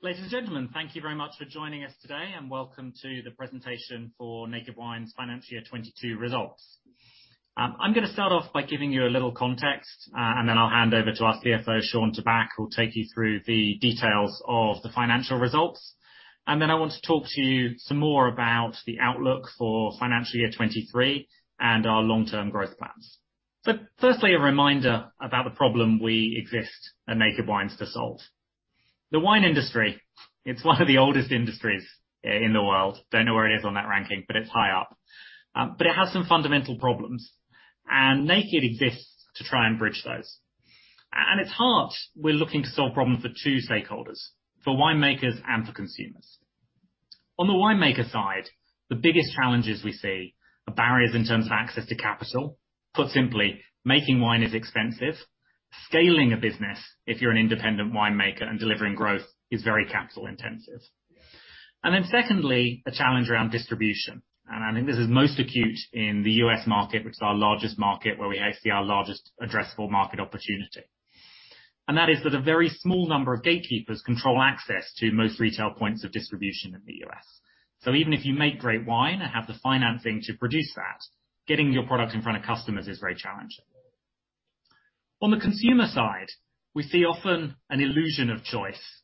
Ladies and gentlemen, thank you very much for joining us today, and welcome to the presentation for Naked Wines financial year 2022 results. I'm gonna start off by giving you a little context, and then I'll hand over to our CFO, Shawn Tabak, who'll take you through the details of the financial results. Then I want to talk to you some more about the outlook for financial year 2023 and our long-term growth plans. Firstly, a reminder about the problem we exist at Naked Wines to solve. The wine industry, it's one of the oldest industries in the world. Don't know where it is on that ranking, but it's high up. But it has some fundamental problems, and Naked exists to try and bridge those. At heart, we're looking to solve problems for two stakeholders: for winemakers and for consumers. On the winemaker side, the biggest challenges we see are barriers in terms of access to capital. Put simply, making wine is expensive. Scaling a business, if you're an independent winemaker and delivering growth, is very capital intensive. Then secondly, a challenge around distribution, and I think this is most acute in the U.S. market, which is our largest market, where we have our largest addressable market opportunity. That is that a very small number of gatekeepers control access to most retail points of distribution in the U.S. Even if you make great wine or have the financing to produce that, getting your product in front of customers is very challenging. On the consumer side, we see often an illusion of choice.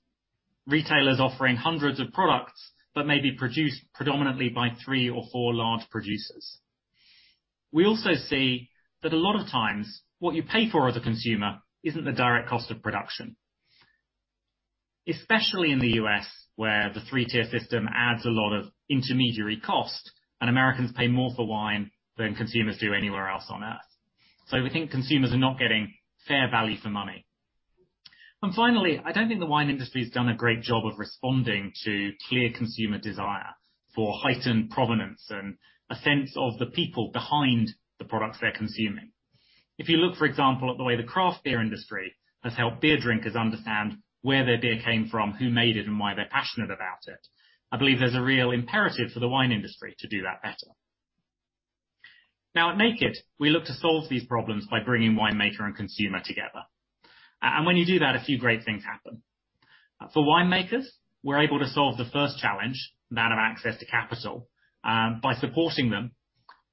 Retailers offering hundreds of products that may be produced predominantly by three or four large producers. We also see that a lot of times, what you pay for as a consumer isn't the direct cost of production, especially in the U.S., where the three-tier system adds a lot of intermediary cost and Americans pay more for wine than consumers do anywhere else on Earth. We think consumers are not getting fair value for money. Finally, I don't think the wine industry has done a great job of responding to clear consumer desire for heightened provenance and a sense of the people behind the products they're consuming. If you look, for example, at the way the craft beer industry has helped beer drinkers understand where their beer came from, who made it, and why they're passionate about it, I believe there's a real imperative for the wine industry to do that better. Now, at Naked, we look to solve these problems by bringing winemaker and consumer together. When you do that, a few great things happen. For winemakers, we're able to solve the first challenge, that of access to capital, by supporting them.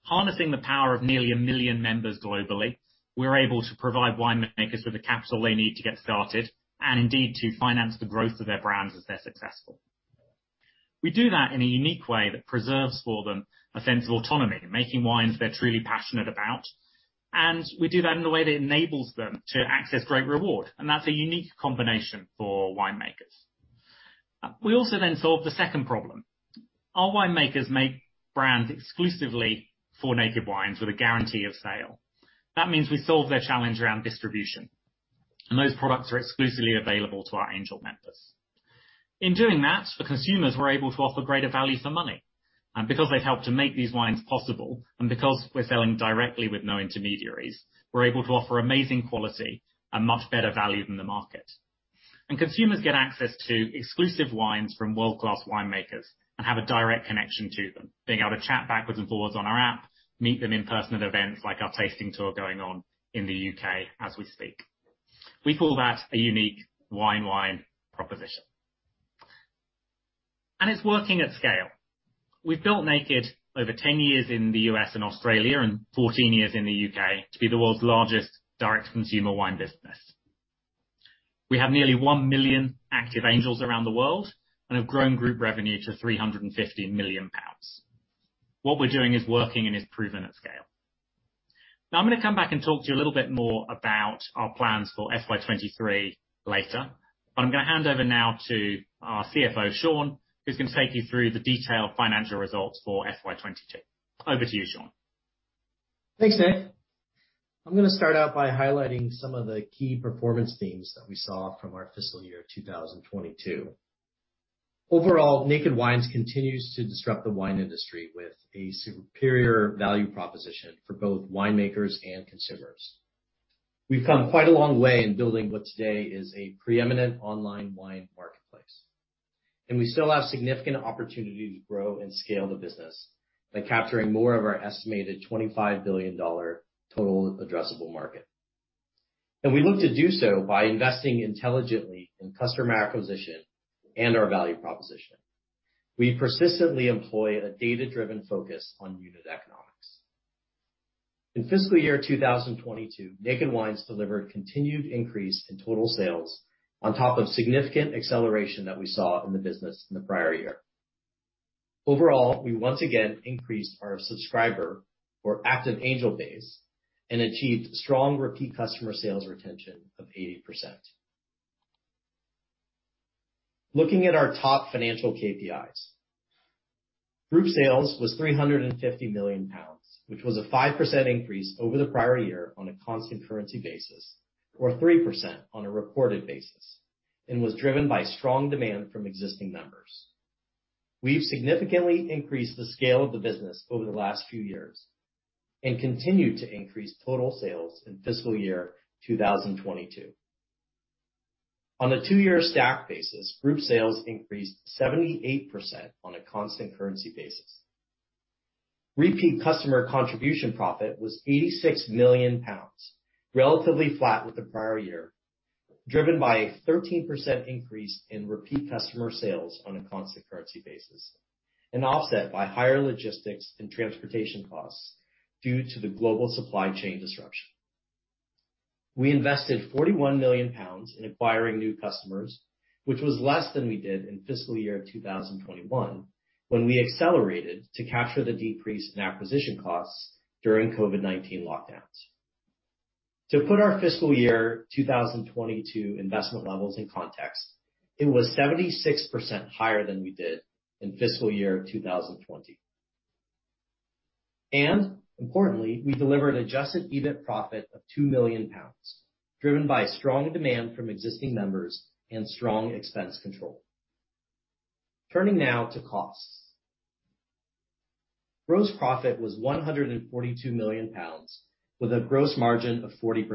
Harnessing the power of nearly a million members globally, we're able to provide winemakers with the capital they need to get started, and indeed, to finance the growth of their brands as they're successful. We do that in a unique way that preserves for them a sense of autonomy, making wines they're truly passionate about, and we do that in a way that enables them to access great reward, and that's a unique combination for winemakers. We also then solve the second problem. Our winemakers make brands exclusively for Naked Wines with a guarantee of sale. That means we solve their challenge around distribution, and those products are exclusively available to our Angel members. In doing that, for consumers, we're able to offer greater value for money. Because they've helped to make these wines possible, and because we're selling directly with no intermediaries, we're able to offer amazing quality and much better value than the market. Consumers get access to exclusive wines from world-class winemakers and have a direct connection to them, being able to chat backwards and forwards on our app, meet them in person at events like our tasting tour going on in the U.K. as we speak. We call that a unique wine proposition. It's working at scale. We've built Naked over 10 years in the U.S. and Australia and 14 years in the U.K. to be the world's largest direct consumer wine business. We have nearly one million active Angels around the world and have grown group revenue to 350 million pounds. What we're doing is working and is proven at scale. Now, I'm gonna come back and talk to you a little bit more about our plans for FY 2023 later, but I'm gonna hand over now to our CFO, Shawn, who's gonna take you through the detailed financial results for FY 2022. Over to you, Shawn. Thanks, Nick. I'm gonna start out by highlighting some of the key performance themes that we saw from our fiscal year 2022. Overall, Naked Wines continues to disrupt the wine industry with a superior value proposition for both winemakers and consumers. We've come quite a long way in building what today is a preeminent online wine marketplace, and we still have significant opportunity to grow and scale the business by capturing more of our estimated $25 billion total addressable market. We look to do so by investing intelligently in customer acquisition and our value proposition. We persistently employ a data-driven focus on unit economics. In fiscal year 2022, Naked Wines delivered continued increase in total sales on top of significant acceleration that we saw in the business in the prior year. Overall, we once again increased our subscriber or active Angel base and achieved strong repeat customer sales retention of 80%. Looking at our top financial KPIs. Group sales was 350 million pounds, which was a 5% increase over the prior year on a constant currency basis, or 3% on a reported basis, and was driven by strong demand from existing members. We've significantly increased the scale of the business over the last few years and continued to increase total sales in fiscal year 2022. On a two-year stack basis, group sales increased 78% on a constant currency basis. Repeat customer contribution profit was 86 million pounds, relatively flat with the prior year, driven by a 13% increase in repeat customer sales on a constant currency basis, and offset by higher logistics and transportation costs due to the global supply chain disruption. We invested 41 million pounds in acquiring new customers, which was less than we did in fiscal year 2021, when we accelerated to capture the decrease in acquisition costs during COVID-19 lockdowns. To put our fiscal year 2022 investment levels in context, it was 76% higher than we did in fiscal year 2020. Importantly, we delivered adjusted EBIT profit of 2 million pounds, driven by strong demand from existing members and strong expense control. Turning now to costs. Gross profit was 142 million pounds with a gross margin of 40%,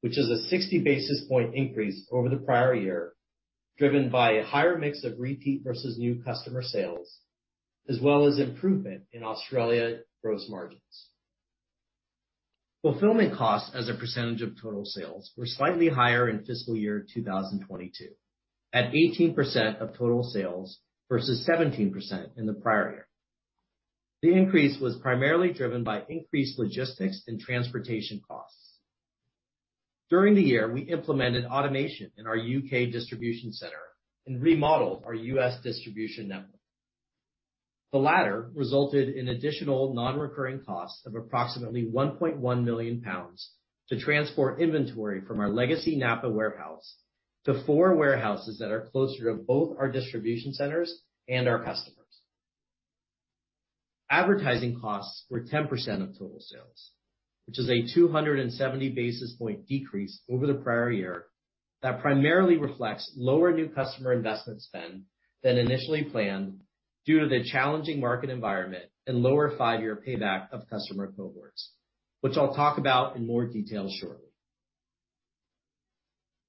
which is a 60 basis point increase over the prior year, driven by a higher mix of repeat versus new customer sales, as well as improvement in Australia gross margins. Fulfillment costs as a percentage of total sales were slightly higher in fiscal year 2022, at 18% of total sales versus 17% in the prior year. The increase was primarily driven by increased logistics and transportation costs. During the year, we implemented automation in our U.K. distribution center and remodeled our U.S. distribution network. The latter resulted in additional non-recurring costs of approximately 1.1 million pounds to transport inventory from our legacy Napa warehouse to four warehouses that are closer to both our distribution centers and our customers. Advertising costs were 10% of total sales, which is a 270 basis point decrease over the prior year that primarily reflects lower new customer investment spend than initially planned due to the challenging market environment and lower five-year payback of customer cohorts, which I'll talk about in more detail shortly.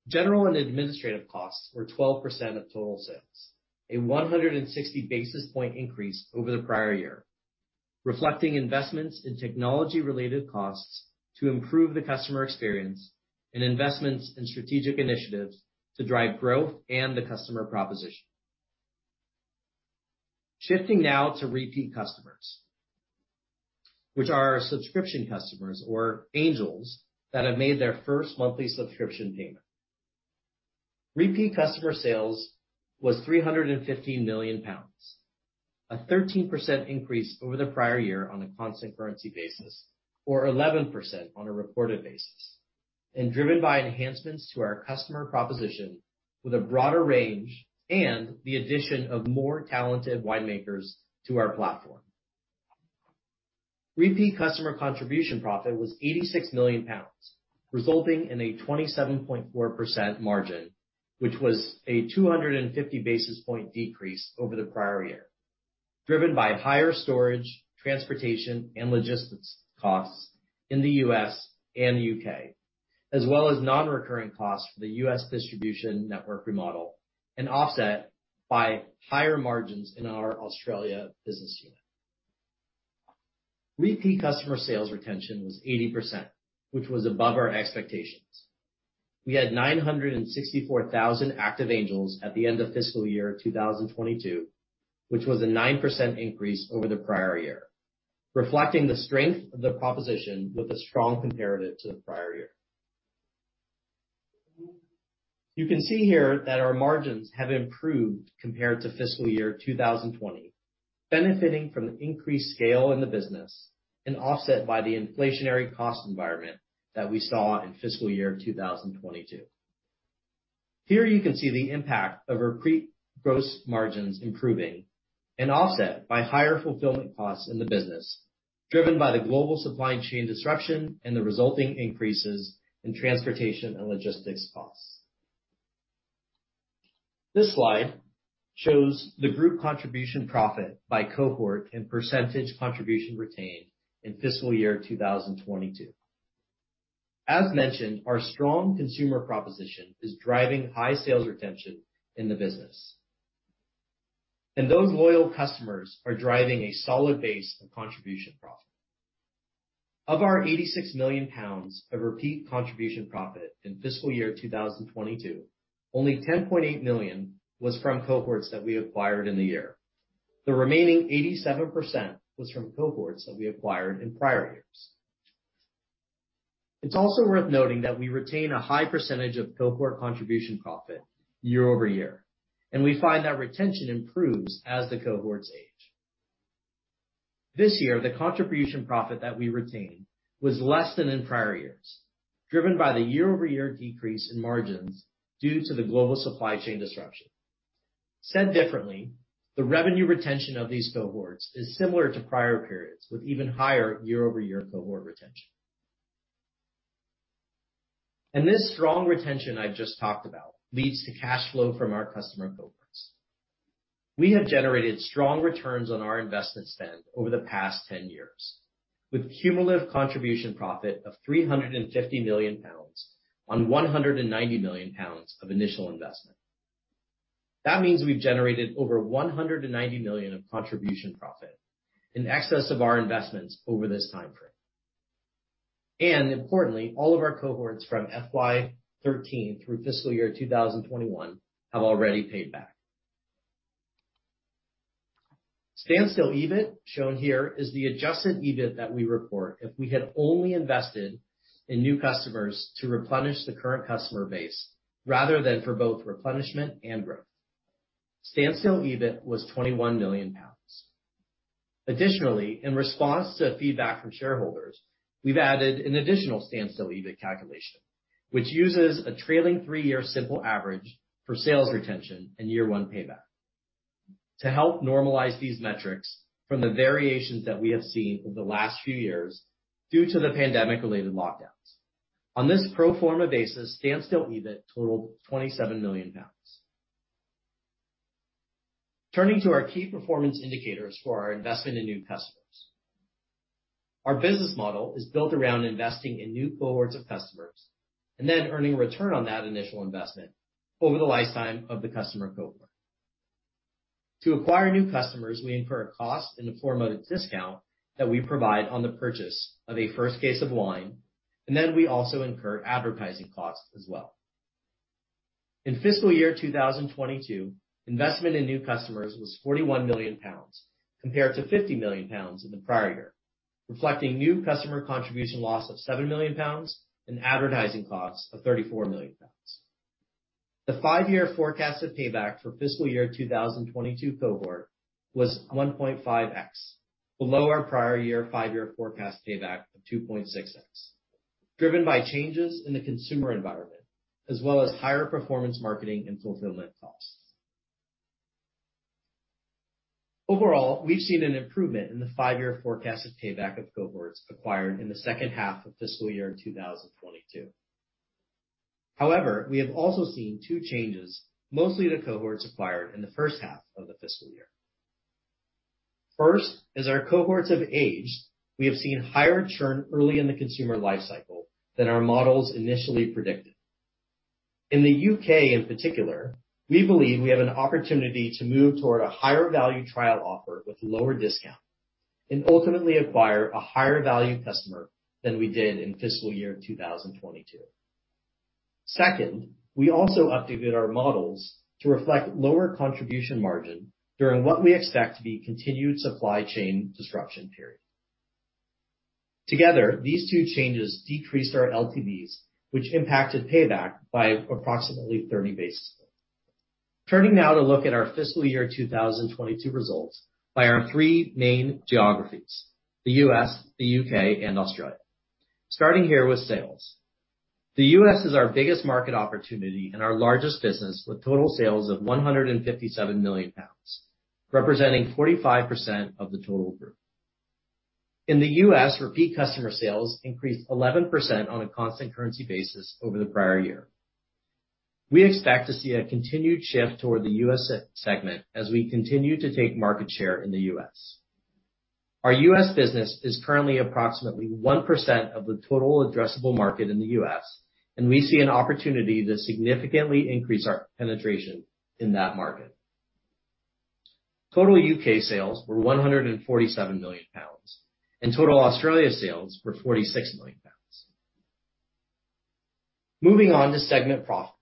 General and administrative costs were 12% of total sales, a 160 basis point increase over the prior year, reflecting investments in technology-related costs to improve the customer experience and investments in strategic initiatives to drive growth and the customer proposition. Shifting now to repeat customers, which are our subscription customers or Angels that have made their first monthly subscription payment. Repeat customer sales was 315 million pounds, a 13% increase over the prior year on a constant currency basis, or 11% on a reported basis, driven by enhancements to our customer proposition with a broader range and the addition of more talented winemakers to our platform. Repeat customer contribution profit was 86 million pounds, resulting in a 27.4% margin, which was a 250 basis point decrease over the prior year, driven by higher storage, transportation, and logistics costs in the U.S. and U.K., as well as non-recurring costs for the U.S. distribution network remodel, and offset by higher margins in our Australia business unit. Repeat customer sales retention was 80%, which was above our expectations. We had 964,000 active Angels at the end of fiscal year 2022, which was a 9% increase over the prior year, reflecting the strength of the proposition with a strong comparative to the prior year. You can see here that our margins have improved compared to fiscal year 2020, benefiting from the increased scale in the business and offset by the inflationary cost environment that we saw in fiscal year 2022. Here you can see the impact of repeat gross margins improving and offset by higher fulfillment costs in the business, driven by the global supply chain disruption and the resulting increases in transportation and logistics costs. This slide shows the group contribution profit by cohort and percentage contribution retained in fiscal year 2022. As mentioned, our strong consumer proposition is driving high sales retention in the business. Those loyal customers are driving a solid base of contribution profit. Of our 86 million pounds of repeat contribution profit in fiscal year 2022, only 10.8 million was from cohorts that we acquired in the year. The remaining 87% was from cohorts that we acquired in prior years. It's also worth noting that we retain a high percentage of cohort contribution profit year-over-year, and we find that retention improves as the cohorts age. This year, the contribution profit that we retained was less than in prior years, driven by the year-over-year decrease in margins due to the global supply chain disruption. Said differently, the revenue retention of these cohorts is similar to prior periods with even higher year-over-year cohort retention. This strong retention I've just talked about leads to cash flow from our customer cohorts. We have generated strong returns on our investment spend over the past 10 years with cumulative contribution profit of 350 million pounds on 190 million pounds of initial investment. That means we've generated over 190 million of contribution profit in excess of our investments over this time frame. Importantly, all of our cohorts from FY 2013 through fiscal year 2021 have already paid back. Standstill EBIT, shown here, is the adjusted EBIT that we report if we had only invested in new customers to replenish the current customer base rather than for both replenishment and growth. Standstill EBIT was 21 million pounds. Additionally, in response to feedback from shareholders, we've added an additional standstill EBIT calculation, which uses a trailing three-year simple average for sales retention and year one payback to help normalize these metrics from the variations that we have seen over the last few years due to the pandemic-related lockdowns. On this pro forma basis, standstill EBIT totaled 27 million pounds. Turning to our key performance indicators for our investment in new customers. Our business model is built around investing in new cohorts of customers and then earning return on that initial investment over the lifetime of the customer cohort. To acquire new customers, we incur a cost in the form of a discount that we provide on the purchase of a first case of wine, and then we also incur advertising costs as well. In fiscal year 2022, investment in new customers was 41 million pounds compared to 50 million pounds in the prior year, reflecting new customer contribution loss of 7 million pounds and advertising costs of 34 million pounds. The five-year forecasted payback for fiscal year 2022 cohort was 1.5x, below our prior year five-year forecast payback of 2.6x, driven by changes in the consumer environment as well as higher performance marketing and fulfillment costs. Overall, we've seen an improvement in the five-year forecasted payback of cohorts acquired in the second half of fiscal year 2022. However, we have also seen two changes, mostly the cohorts acquired in the first half of the fiscal year. First, as our cohorts have aged, we have seen higher churn early in the consumer life cycle than our models initially predicted. In the U.K., in particular, we believe we have an opportunity to move toward a higher value trial offer with lower discount and ultimately acquire a higher value customer than we did in fiscal year 2022. Second, we also updated our models to reflect lower contribution margin during what we expect to be continued supply chain disruption period. Together, these two changes decreased our LTVs, which impacted payback by approximately 30 basis points. Turning now to look at our fiscal year 2022 results by our three main geographies, the U.S., the U.K., and Australia. Starting here with sales. The U.S. is our biggest market opportunity and our largest business, with total sales of 157 million pounds, representing 45% of the total group. In the U.S., repeat customer sales increased 11% on a constant currency basis over the prior year. We expect to see a continued shift toward the U.S. segment as we continue to take market share in the U.S.. Our U.S. business is currently approximately 1% of the total addressable market in the U.S., and we see an opportunity to significantly increase our penetration in that market. Total U.K. sales were 147 million pounds, and total Australia sales were 46 million pounds. Moving on to segment profits.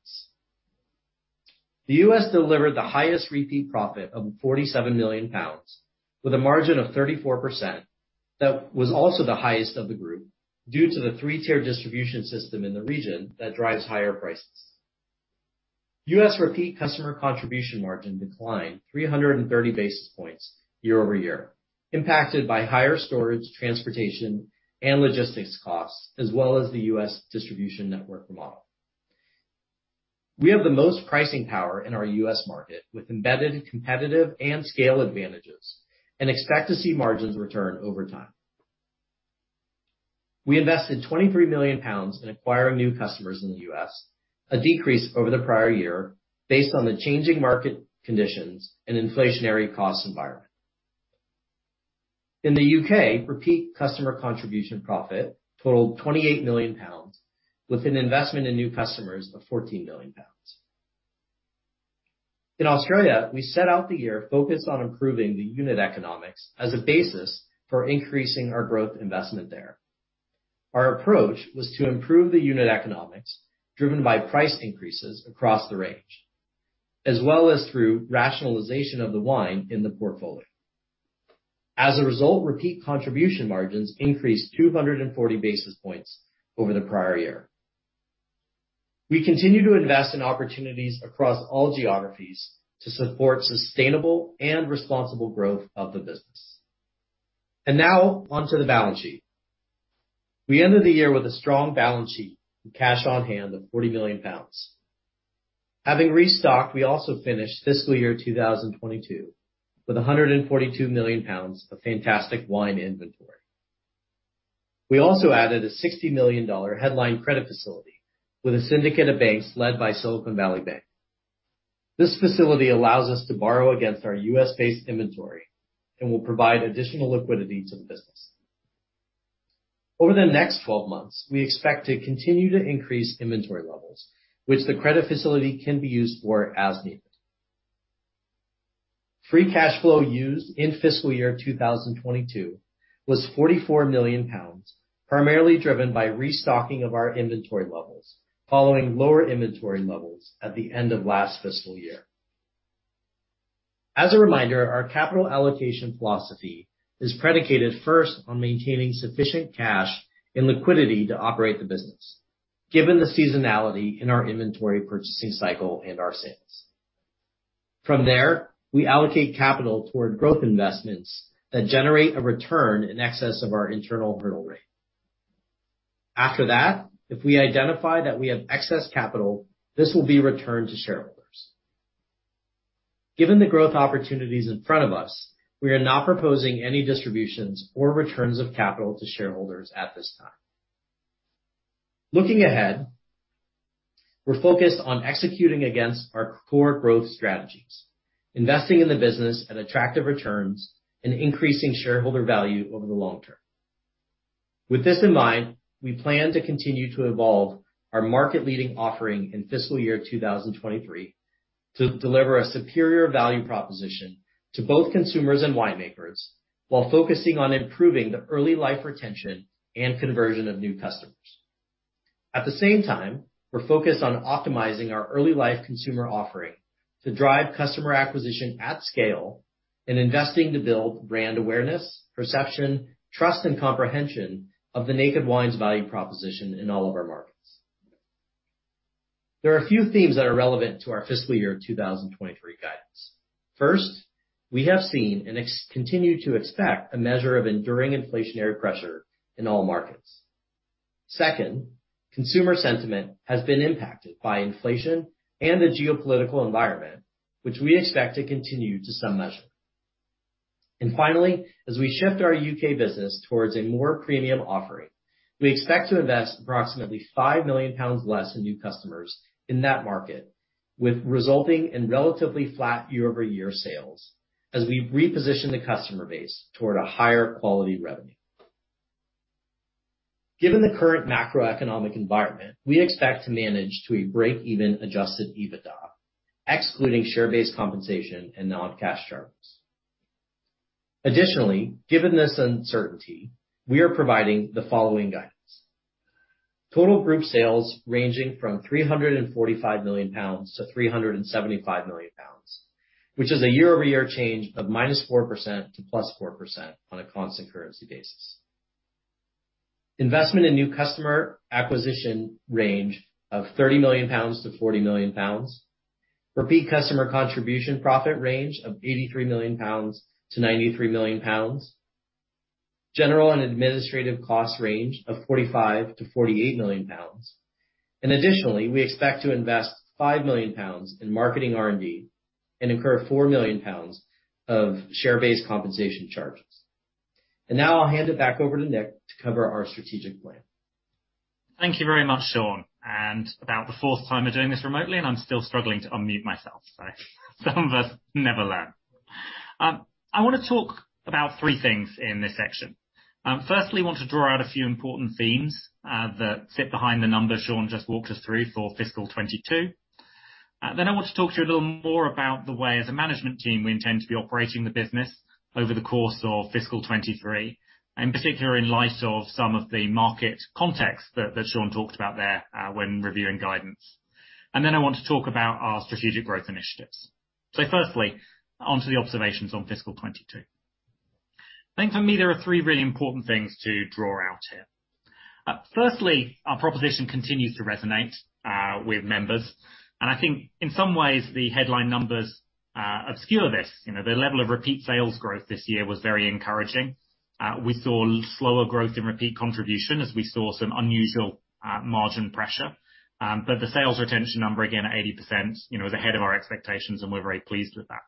The U.S. delivered the highest repeat profit of 47 million pounds with a margin of 34%. That was also the highest of the group due to the three-tier distribution system in the region that drives higher prices. U.S. repeat customer contribution margin declined 330 basis points year-over-year, impacted by higher storage, transportation, and logistics costs, as well as the U.S. distribution network model. We have the most pricing power in our U.S. market, with embedded competitive and scale advantages, and expect to see margins return over time. We invested 23 million pounds in acquiring new customers in the U.S., a decrease over the prior year based on the changing market conditions and inflationary cost environment. In the U.K., repeat customer contribution profit totaled 28 million pounds, with an investment in new customers of 14 million pounds. In Australia, we set out the year focused on improving the unit economics as a basis for increasing our growth investment there. Our approach was to improve the unit economics driven by price increases across the range, as well as through rationalization of the wine in the portfolio. As a result, repeat contribution margins increased 240 basis points over the prior year. We continue to invest in opportunities across all geographies to support sustainable and responsible growth of the business. Now on to the balance sheet. We ended the year with a strong balance sheet and cash on hand of 40 million pounds. Having restocked, we also finished fiscal year 2022 with 142 million pounds of fantastic wine inventory. We also added a $60 million headline credit facility with a syndicate of banks led by Silicon Valley Bank. This facility allows us to borrow against our U.S.-based inventory and will provide additional liquidity to the business. Over the next 12 months, we expect to continue to increase inventory levels, which the credit facility can be used for as needed. Free cash flow used in fiscal year 2022 was 44 million pounds, primarily driven by restocking of our inventory levels following lower inventory levels at the end of last fiscal year. As a reminder, our capital allocation philosophy is predicated first on maintaining sufficient cash and liquidity to operate the business, given the seasonality in our inventory purchasing cycle and our sales. From there, we allocate capital toward growth investments that generate a return in excess of our internal hurdle rate. After that, if we identify that we have excess capital, this will be returned to shareholders. Given the growth opportunities in front of us, we are not proposing any distributions or returns of capital to shareholders at this time. Looking ahead, we're focused on executing against our core growth strategies, investing in the business at attractive returns, and increasing shareholder value over the long term. With this in mind, we plan to continue to evolve our market-leading offering in fiscal year 2023 to deliver a superior value proposition to both consumers and winemakers while focusing on improving the early life retention and conversion of new customers. At the same time, we're focused on optimizing our early life consumer offering to drive customer acquisition at scale and investing to build brand awareness, perception, trust, and comprehension of the Naked Wines value proposition in all of our markets. There are a few themes that are relevant to our fiscal year 2023 guidance. First, we have seen and continue to expect a measure of enduring inflationary pressure in all markets. Second, consumer sentiment has been impacted by inflation and the geopolitical environment, which we expect to continue to some measure. Finally, as we shift our U.K. business towards a more premium offering, we expect to invest approximately 5 million pounds less in new customers in that market, with resulting in relatively flat year-over-year sales as we reposition the customer base toward a higher quality revenue. Given the current macroeconomic environment, we expect to manage to a break-even adjusted EBITDA, excluding share-based compensation and non-cash charges. Additionally, given this uncertainty, we are providing the following guidance. Total group sales ranging from 345 million pounds to 375 million pounds, which is a year-over-year change of -4% to +4% on a constant currency basis. Investment in new customer acquisition range of 30 million-40 million pounds. Repeat customer contribution profit range of 83 million-93 million pounds. General and administrative cost range of 45 million-48 million pounds. Additionally, we expect to invest 5 million pounds in marketing R&D and incur 4 million pounds of share-based compensation charges. Now I'll hand it back over to Nick to cover our strategic plan. Thank you very much, Shawn. About the fourth time we're doing this remotely, and I'm still struggling to unmute myself. Some of us never learn. I wanna talk about three things in this section. Firstly, I want to draw out a few important themes that sit behind the numbers Shawn just walked us through for fiscal year 2022. Then I want to talk to you a little more about the way as a management team we intend to be operating the business over the course of fiscal year 2023, and particularly in light of some of the market context that Shawn talked about there when reviewing guidance. Then I want to talk about our strategic growth initiatives. Firstly, onto the observations on fiscal year 2022. I think for me there are three really important things to draw out here. Firstly, our proposition continues to resonate with members. I think in some ways the headline numbers obscure this. You know, the level of repeat sales growth this year was very encouraging. We saw slower growth in repeat contribution as we saw some unusual margin pressure. But the sales retention number again, 80%, you know, is ahead of our expectations and we're very pleased with that.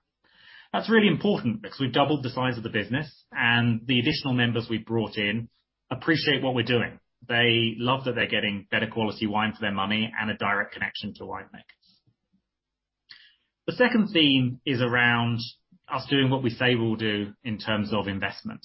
That's really important because we've doubled the size of the business and the additional members we've brought in appreciate what we're doing. They love that they're getting better quality wine for their money and a direct connection to winemakers. The second theme is around us doing what we say we'll do in terms of investment.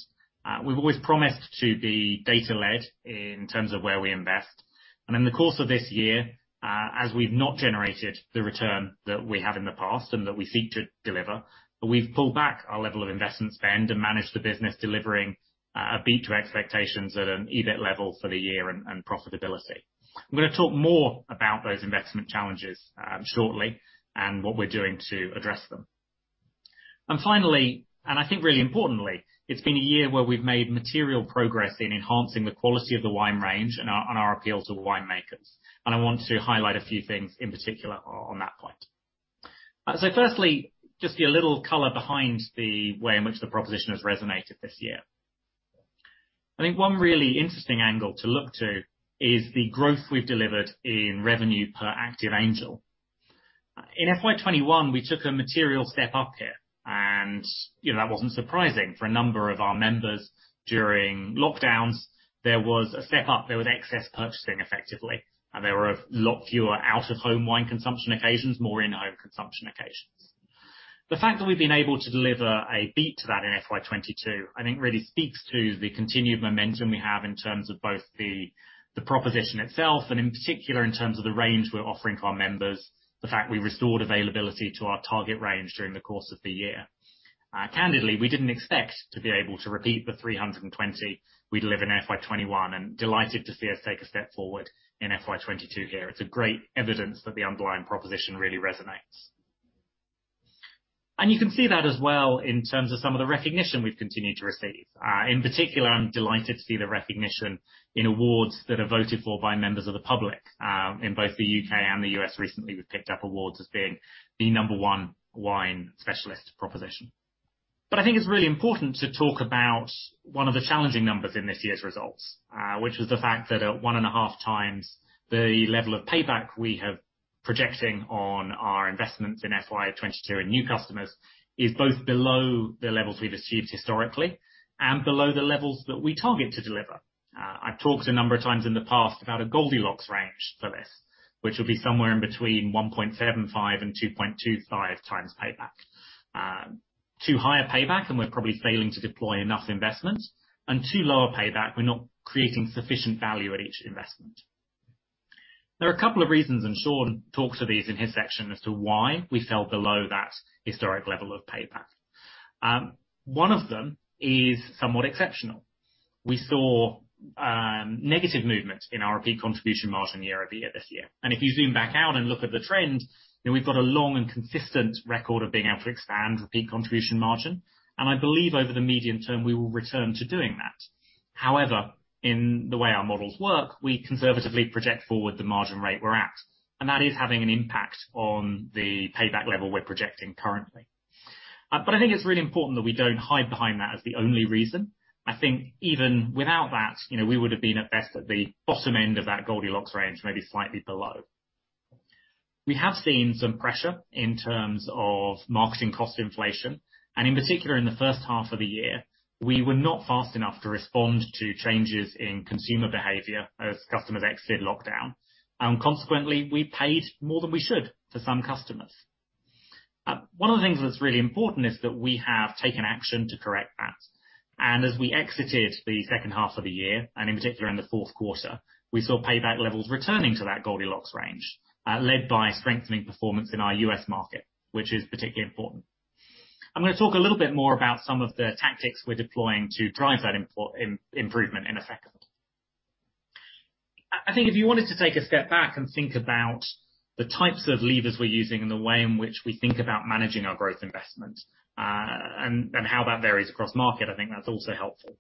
We've always promised to be data-led in terms of where we invest. In the course of this year, as we've not generated the return that we have in the past and that we seek to deliver, we've pulled back our level of investment spend and managed the business delivering a beat to expectations at an EBIT level for the year and profitability. I'm gonna talk more about those investment challenges shortly and what we're doing to address them. Finally, and I think really importantly, it's been a year where we've made material progress in enhancing the quality of the wine range and our appeal to winemakers. I want to highlight a few things in particular on that point. Firstly, just a little color behind the way in which the proposition has resonated this year. I think one really interesting angle to look to is the growth we've delivered in revenue per active Angel. In FY 2021, we took a material step up here and, you know, that wasn't surprising for a number of our members during lockdowns. There was a step up, there was excess purchasing effectively, and there were a lot fewer out-of-home wine consumption occasions, more in-home consumption occasions. The fact that we've been able to deliver a beat to that in FY 2022, I think really speaks to the continued momentum we have in terms of both the proposition itself and in particular, in terms of the range we're offering to our members. The fact we restored availability to our target range during the course of the year. Candidly, we didn't expect to be able to repeat the 320 we deliver in FY 2021 and delighted to see us take a step forward in FY 2022 here. It's a great evidence that the underlying proposition really resonates. You can see that as well in terms of some of the recognition we've continued to receive. In particular, I'm delighted to see the recognition in awards that are voted for by members of the public. In both the U.K. and the U.S. recently, we've picked up awards as being the number one wine specialist proposition. I think it's really important to talk about one of the challenging numbers in this year's results, which was the fact that at 1.5x the level of payback we are projecting on our investments in FY 2022 in new customers is both below the levels we've achieved historically and below the levels that we target to deliver. I've talked a number of times in the past about a Goldilocks range for this, which will be somewhere in between 1.75x and 2.25x payback. Too high a payback, and we're probably failing to deploy enough investment. Too low a payback, we're not creating sufficient value at each investment. There are a couple of reasons, and Shawn talks of these in his section, as to why we fell below that historic level of payback. One of them is somewhat exceptional. We saw negative movement in our peak contribution margin year over year this year. If you zoom back out and look at the trend, we've got a long and consistent record of being able to expand the peak contribution margin, and I believe over the medium term, we will return to doing that. However, in the way our models work, we conservatively project forward the margin rate we're at, and that is having an impact on the payback level we're projecting currently. I think it's really important that we don't hide behind that as the only reason. I think even without that, you know, we would have been at best at the bottom end of that Goldilocks range, maybe slightly below. We have seen some pressure in terms of marketing cost inflation, and in particular, in the first half of the year, we were not fast enough to respond to changes in consumer behavior as customers exited lockdown. Consequently, we paid more than we should to some customers. One of the things that's really important is that we have taken action to correct that. As we exited the second half of the year, and in particular in the fourth quarter, we saw payback levels returning to that Goldilocks range, led by strengthening performance in our U.S. market, which is particularly important. I'm gonna talk a little bit more about some of the tactics we're deploying to drive that improvement in a second. I think if you wanted to take a step back and think about the types of levers we're using and the way in which we think about managing our growth investment, and how that varies across market, I think that's also helpful.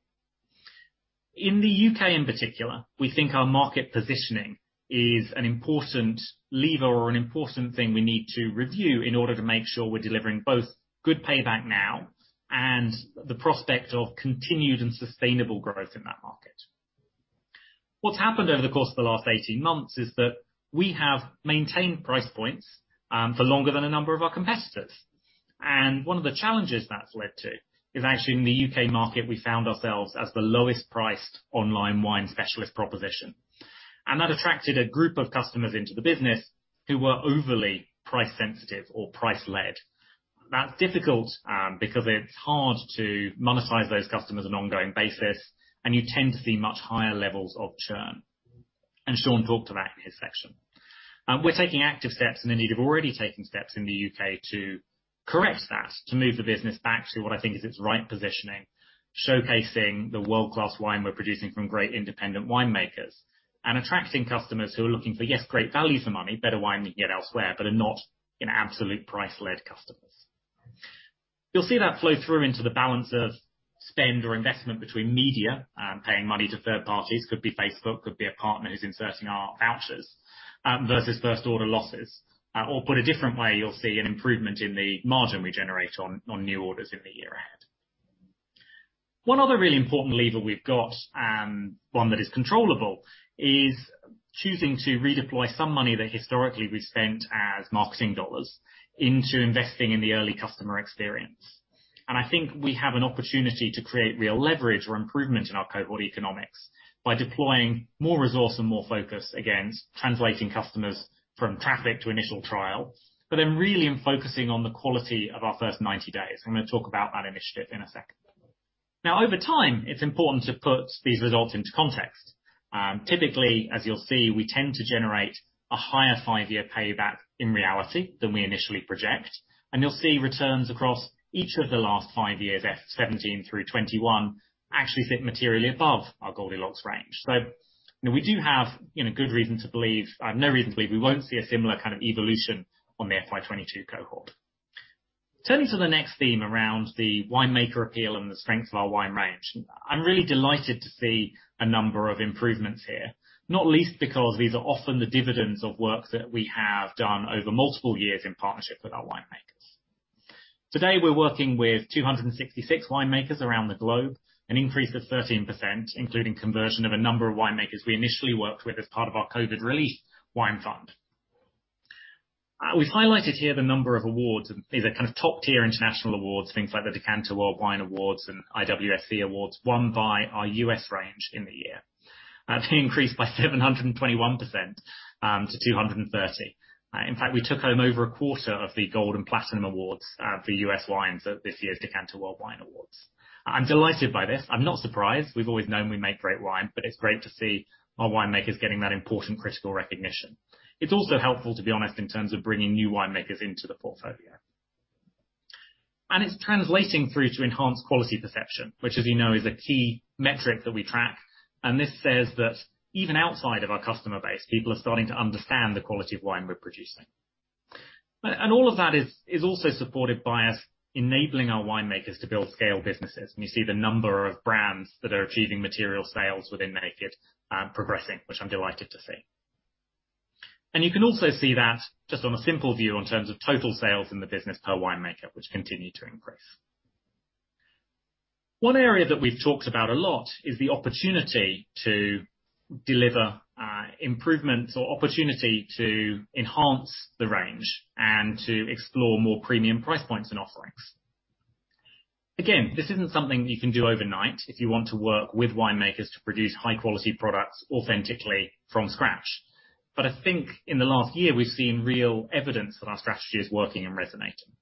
In the U.K. in particular, we think our market positioning is an important lever or an important thing we need to review in order to make sure we're delivering both good payback now and the prospect of continued and sustainable growth in that market. What's happened over the course of the last 18 months is that we have maintained price points, for longer than a number of our competitors. One of the challenges that's led to is actually in the U.K. market, we found ourselves as the lowest priced online wine specialist proposition. That attracted a group of customers into the business who were overly price sensitive or price-led. That's difficult, because it's hard to monetize those customers on an ongoing basis, and you tend to see much higher levels of churn. Shawn talked about in his section. We're taking active steps and indeed have already taken steps in the U.K. to correct that, to move the business back to what I think is its right positioning, showcasing the world-class wine we're producing from great independent winemakers and attracting customers who are looking for, yes, great value for money, better wine than you get elsewhere, but are not an absolute price-led customers. You'll see that flow through into the balance of spend or investment between media, paying money to third parties, could be Facebook, could be a partner who's inserting our vouchers, versus first order losses. Put a different way, you'll see an improvement in the margin we generate on new orders in the year ahead. One other really important lever we've got, one that is controllable, is choosing to redeploy some money that historically we've spent as marketing dollars into investing in the early customer experience. I think we have an opportunity to create real leverage or improvement in our cohort economics by deploying more resource and more focus against translating customers from traffic to initial trial, but then really in focusing on the quality of our first 90 days. I'm gonna talk about that initiative in a second. Now, over time, it's important to put these results into context. Typically, as you'll see, we tend to generate a higher five-year payback in reality than we initially project. You'll see returns across each of the last five years, FY 2017 through 2021, actually sit materially above our Goldilocks range. You know, we do have, you know, good reason to believe, no reason to believe we won't see a similar kind of evolution on the FY 2022 cohort. Turning to the next theme around the winemaker appeal and the strength of our wine range. I'm really delighted to see a number of improvements here, not least because these are often the dividends of work that we have done over multiple years in partnership with our winemakers. Today, we're working with 266 winemakers around the globe, an increase of 13%, including conversion of a number of winemakers we initially worked with as part of our COVID-19 relief wine fund. We've highlighted here the number of awards. These are kind of top-tier international awards, things like the Decanter World Wine Awards and IWSC awards won by our U.S. range in the year. They increased by 721%, to 230. In fact, we took home over a quarter of the gold and platinum awards, for U.S. wines at this year's Decanter World Wine Awards. I'm delighted by this. I'm not surprised. We've always known we make great wine, but it's great to see our winemakers getting that important critical recognition. It's also helpful, to be honest, in terms of bringing new winemakers into the portfolio. It's translating through to enhanced quality perception, which as you know, is a key metric that we track. This says that even outside of our customer base, people are starting to understand the quality of wine we're producing. All of that is also supported by us enabling our winemakers to build scale businesses. You see the number of brands that are achieving material sales within Naked, progressing, which I'm delighted to see. You can also see that just on a simple view in terms of total sales in the business per winemaker, which continue to increase. One area that we've talked about a lot is the opportunity to deliver improvements or opportunity to enhance the range and to explore more premium price points and offerings. Again, this isn't something you can do overnight if you want to work with winemakers to produce high quality products authentically from scratch. I think in the last year we've seen real evidence that our strategy is working and resonating.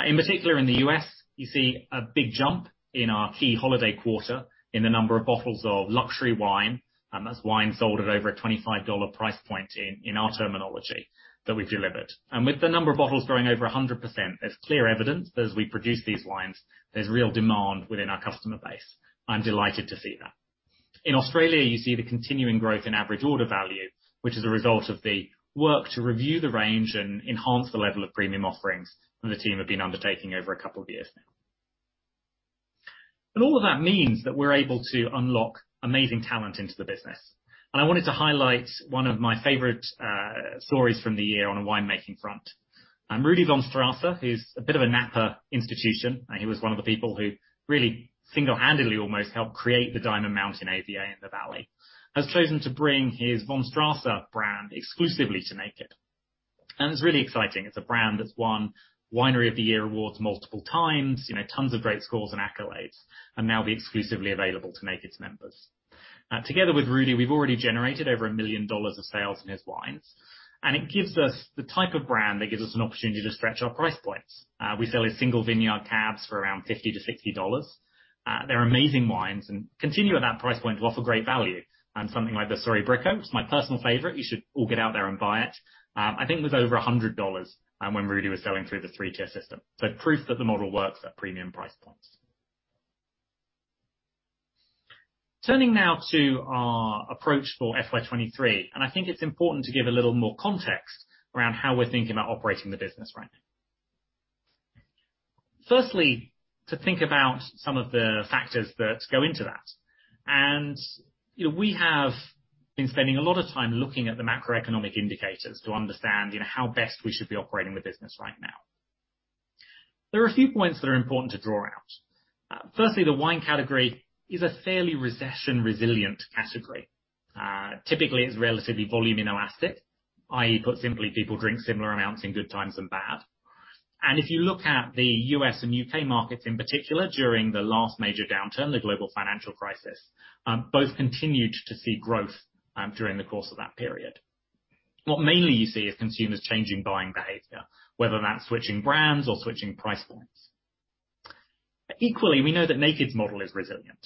In particular, in the U.S., you see a big jump in our key holiday quarter in the number of bottles of luxury wine, and that's wine sold at over a $25 price point in our terminology that we've delivered. With the number of bottles growing over 100%, there's clear evidence that as we produce these wines, there's real demand within our customer base. I'm delighted to see that. In Australia, you see the continuing growth in average order value, which is a result of the work to review the range and enhance the level of premium offerings that the team have been undertaking over a couple of years now. All of that means that we're able to unlock amazing talent into the business. I wanted to highlight one of my favorite stories from the year on the winemaking front. Rudy von Strasser, who's a bit of a Napa institution, and he was one of the people who really single-handedly almost helped create the Diamond Mountain AVA in the valley, has chosen to bring his von Strasser brand exclusively to Naked. It's really exciting. It's a brand that's won Winery of the Year awards multiple times, you know, tons of great scores and accolades, and now to be exclusively available to Naked's members. Together with Rudy, we've already generated over $1 million of sales in his wines, and it gives us the type of brand that gives us an opportunity to stretch our price points. We sell his single vineyard cabs for around $50-$60. They're amazing wines and continue at that price point to offer great value. Something like the Sori Bricco, it's my personal favorite. You should all get out there and buy it. I think it was over $100 when Rudy was selling through the three-tier system. Proof that the model works at premium price points. Turning now to our approach for FY 2023, I think it's important to give a little more context around how we're thinking about operating the business right now. Firstly, to think about some of the factors that go into that. You know, we have been spending a lot of time looking at the macroeconomic indicators to understand, you know, how best we should be operating the business right now. There are a few points that are important to draw out. Firstly, the wine category is a fairly recession resilient category. Typically, it's relatively volume inelastic, i.e., put simply, people drink similar amounts in good times and bad. If you look at the U.S. and U.K. markets in particular, during the last major downturn, the global financial crisis, both continued to see growth during the course of that period. What mainly you see is consumers changing buying behavior, whether that's switching brands or switching price points. Equally, we know that Naked's model is resilient.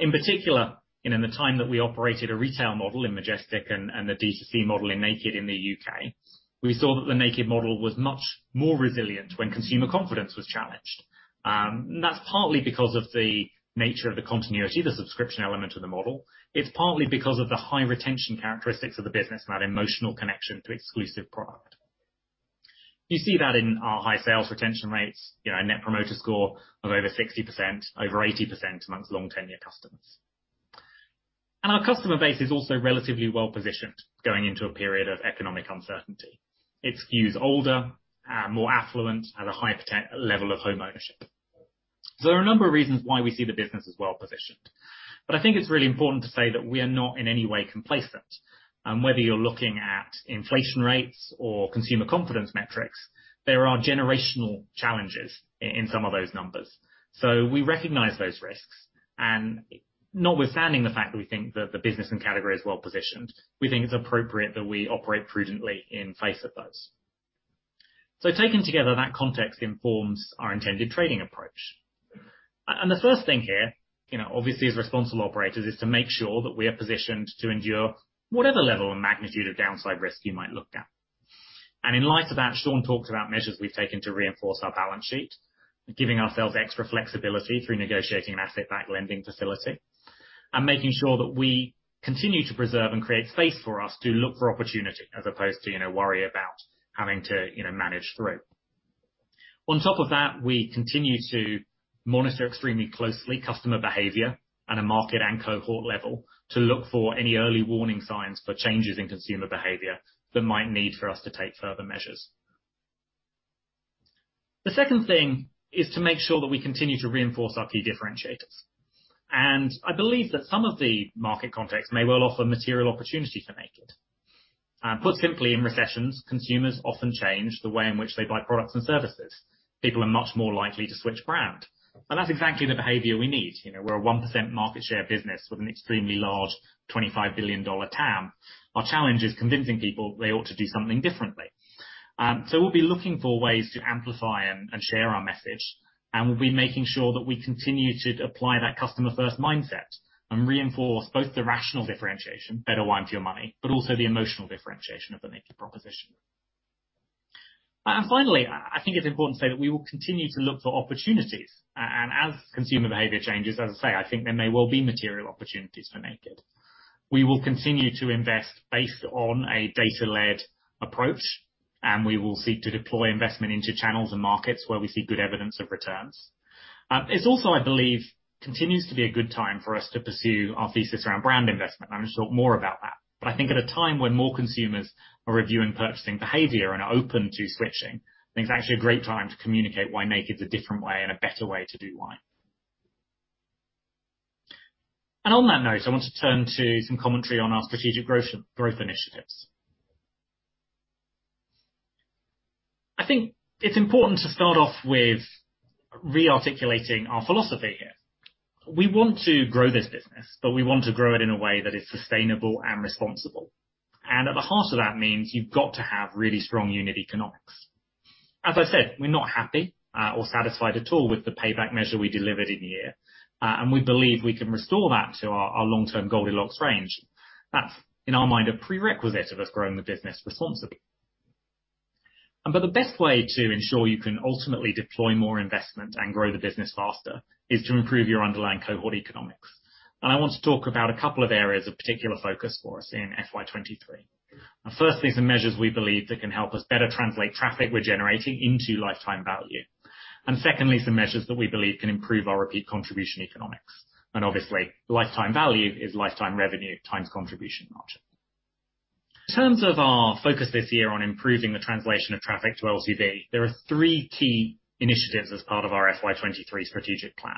In particular, you know, in the time that we operated a retail model in Majestic and the D2C model in Naked in the U.K., we saw that the Naked model was much more resilient when consumer confidence was challenged. And that's partly because of the nature of the continuity, the subscription element of the model. It's partly because of the high retention characteristics of the business and that emotional connection to exclusive product. You see that in our high sales retention rates, you know, a net promoter score of over 60%, over 80% amongst long-tenured customers. Our customer base is also relatively well-positioned going into a period of economic uncertainty. It skews older, more affluent, has a high level of homeownership. There are a number of reasons why we see the business as well-positioned. I think it's really important to say that we are not in any way complacent. Whether you're looking at inflation rates or consumer confidence metrics, there are generational challenges in some of those numbers. We recognize those risks. Notwithstanding the fact that we think that the business and category is well-positioned, we think it's appropriate that we operate prudently in face of those. Taken together, that context informs our intended trading approach. The first thing here, you know, obviously as responsible operators, is to make sure that we are positioned to endure whatever level and magnitude of downside risk you might look at. In light of that, Shawn talked about measures we've taken to reinforce our balance sheet, giving ourselves extra flexibility through negotiating an asset-backed lending facility and making sure that we continue to preserve and create space for us to look for opportunity as opposed to, you know, worry about having to, you know, manage through. On top of that, we continue to monitor extremely closely customer behavior at a market and cohort level to look for any early warning signs for changes in consumer behavior that might need for us to take further measures. The second thing is to make sure that we continue to reinforce our key differentiators. I believe that some of the market context may well offer material opportunity for Naked. Put simply, in recessions, consumers often change the way in which they buy products and services. People are much more likely to switch brand, and that's exactly the behavior we need. You know, we're a 1% market share business with an extremely large $25 billion TAM. Our challenge is convincing people they ought to do something differently. We'll be looking for ways to amplify and share our message, and we'll be making sure that we continue to apply that customer first mindset and reinforce both the rational differentiation, better wine for your money, but also the emotional differentiation of the Naked proposition. Finally, I think it's important to say that we will continue to look for opportunities. As consumer behavior changes, as I say, I think there may well be material opportunities for Naked. We will continue to invest based on a data-led approach, and we will seek to deploy investment into channels and markets where we see good evidence of returns. It's also, I believe, continues to be a good time for us to pursue our thesis around brand investment. I'm gonna talk more about that. I think at a time when more consumers are reviewing purchasing behavior and are open to switching, I think it's actually a great time to communicate why Naked's a different way and a better way to do wine. On that note, I want to turn to some commentary on our strategic growth initiatives. I think it's important to start off with re-articulating our philosophy here. We want to grow this business, but we want to grow it in a way that is sustainable and responsible. At the heart of that means you've got to have really strong unit economics. As I said, we're not happy or satisfied at all with the payback measure we delivered in the year, and we believe we can restore that to our long-term Goldilocks range. That's, in our mind, a prerequisite of us growing the business responsibly. The best way to ensure you can ultimately deploy more investment and grow the business faster is to improve your underlying cohort economics. I want to talk about a couple of areas of particular focus for us in FY 2023. The first is the measures we believe that can help us better translate traffic we're generating into lifetime value. Secondly, some measures that we believe can improve our repeat contribution economics. Obviously, lifetime value is lifetime revenue times contribution margin. In terms of our focus this year on improving the translation of traffic to LTV, there are three key initiatives as part of our FY 2023 strategic plan.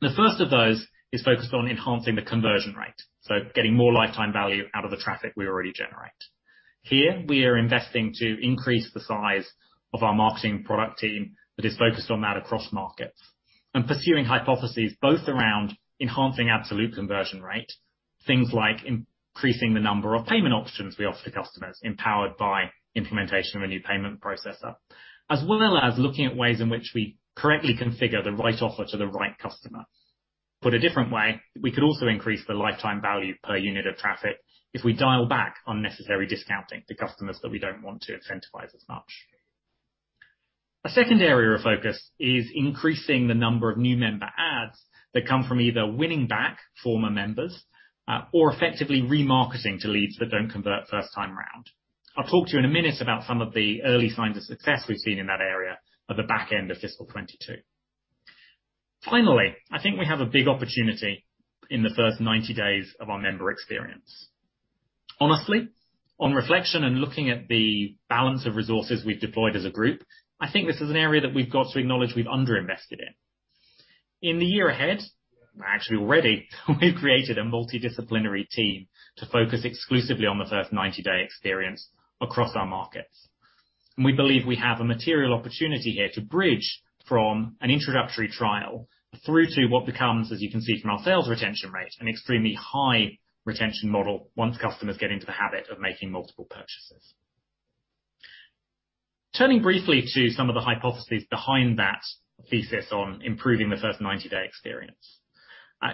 The first of those is focused on enhancing the conversion rate, so getting more lifetime value out of the traffic we already generate. Here, we are investing to increase the size of our marketing product team that is focused on that across markets and pursuing hypotheses both around enhancing absolute conversion rate, things like increasing the number of payment options we offer to customers, empowered by implementation of a new payment processor, as well as looking at ways in which we correctly configure the right offer to the right customer. Put a different way, we could also increase the lifetime value per unit of traffic if we dial back unnecessary discounting to customers that we don't want to incentivize as much. A second area of focus is increasing the number of new member adds that come from either winning back former members, or effectively remarketing to leads that don't convert first time around. I'll talk to you in a minute about some of the early signs of success we've seen in that area at the back end of fiscal year 2022. Finally, I think we have a big opportunity in the first 90 days of our member experience. Honestly, on reflection and looking at the balance of resources we've deployed as a group, I think this is an area that we've got to acknowledge we've underinvested in. In the year ahead, actually already, we've created a multidisciplinary team to focus exclusively on the first 90-day experience across our markets. We believe we have a material opportunity here to bridge from an introductory trial through to what becomes, as you can see from our sales retention rate, an extremely high retention model once customers get into the habit of making multiple purchases. Turning briefly to some of the hypotheses behind that thesis on improving the first 90-day experience.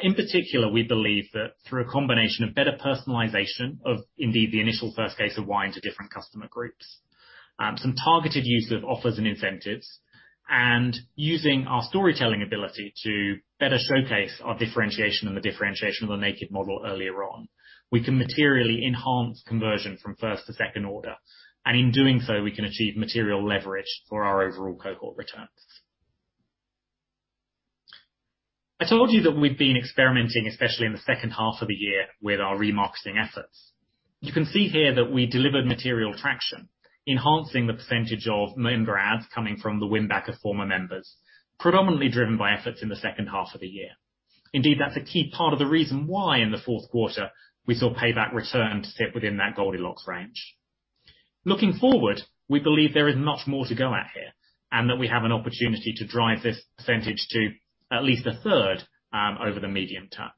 In particular, we believe that through a combination of better personalization of indeed the initial first case of wine to different customer groups, some targeted use of offers and incentives, and using our storytelling ability to better showcase our differentiation and the differentiation of the Naked model earlier on, we can materially enhance conversion from first to second order. In doing so, we can achieve material leverage for our overall cohort returns. I told you that we've been experimenting, especially in the second half of the year, with our remarketing efforts. You can see here that we delivered material traction, enhancing the percentage of member adds coming from the win-back of former members, predominantly driven by efforts in the second half of the year. Indeed, that's a key part of the reason why in the fourth quarter we saw payback return to sit within that Goldilocks range. Looking forward, we believe there is much more to go at here, and that we have an opportunity to drive this percentage to at least a third, over the medium term.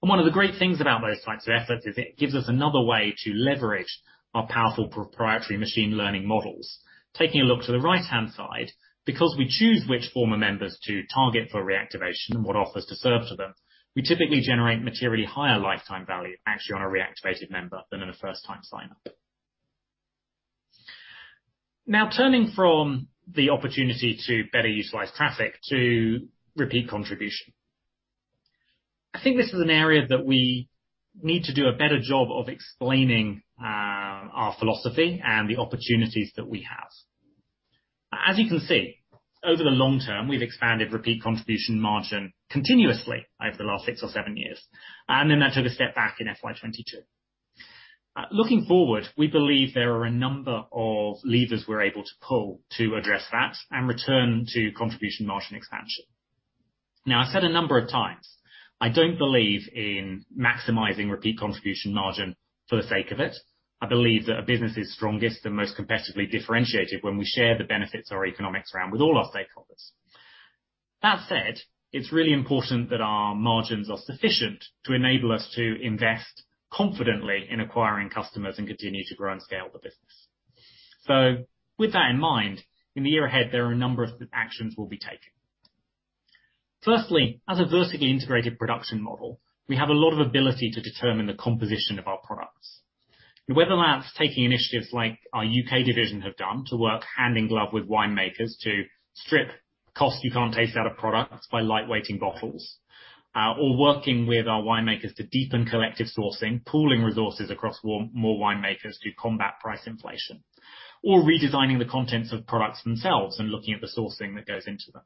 One of the great things about those types of efforts is it gives us another way to leverage our powerful proprietary machine learning models. Taking a look to the right-hand side, because we choose which former members to target for reactivation and what offers to serve to them, we typically generate materially higher lifetime value actually on a reactivated member than in a first-time sign-up. Now, turning from the opportunity to better utilize traffic to repeat contribution. I think this is an area that we need to do a better job of explaining, our philosophy and the opportunities that we have. As you can see, over the long term, we've expanded repeat contribution margin continuously over the last six or seven years, and then that took a step back in FY 2022. Looking forward, we believe there are a number of levers we're able to pull to address that and return to contribution margin expansion. Now, I've said a number of times, I don't believe in maximizing repeat contribution margin for the sake of it. I believe that a business is strongest and most competitively differentiated when we share the benefits our economics around with all our stakeholders. That said, it's really important that our margins are sufficient to enable us to invest confidently in acquiring customers and continue to grow and scale the business. With that in mind, in the year ahead, there are a number of actions we'll be taking. Firstly, as a vertically integrated production model, we have a lot of ability to determine the composition of our products. Whether that's taking initiatives like our U.K. division have done to work hand in glove with winemakers to strip cost you can't taste out of products by lightweighting bottles, or working with our winemakers to deepen collective sourcing, pooling resources across more winemakers to combat price inflation, or redesigning the contents of products themselves and looking at the sourcing that goes into them.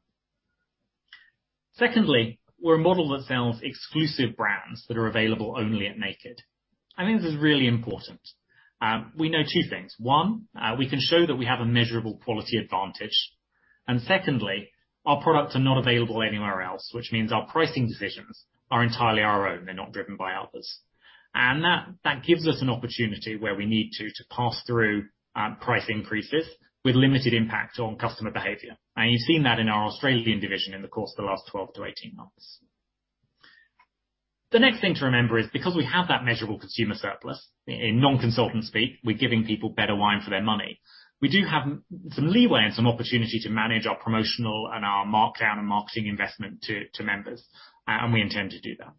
Secondly, we're a model that sells exclusive brands that are available only at Naked. I think this is really important. We know two things. One, we can show that we have a measurable quality advantage. Secondly, our products are not available anywhere else, which means our pricing decisions are entirely our own. They're not driven by others. That gives us an opportunity where we need to pass through price increases with limited impact on customer behavior. You've seen that in our Australian division in the course of the last 12-18 months. The next thing to remember is because we have that measurable consumer surplus, in non-consultant speak, we're giving people better wine for their money. We do have some leeway and some opportunity to manage our promotional and our markdown and marketing investment to members, and we intend to do that.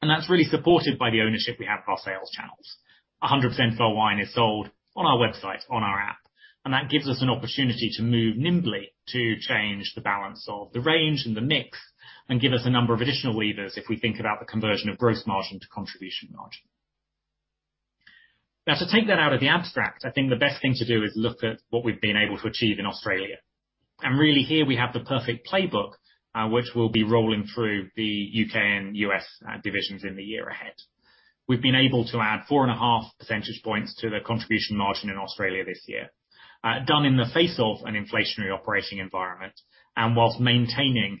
That's really supported by the ownership we have of our sales channels. 100% of our wine is sold on our website, on our app, and that gives us an opportunity to move nimbly to change the balance of the range and the mix and give us a number of additional levers if we think about the conversion of gross margin to contribution margin. Now, to take that out of the abstract, I think the best thing to do is look at what we've been able to achieve in Australia. Really here we have the perfect playbook, which we'll be rolling through the U.K. and U.S. divisions in the year ahead. We've been able to add 4.5 percentage points to the contribution margin in Australia this year, done in the face of an inflationary operating environment and while maintaining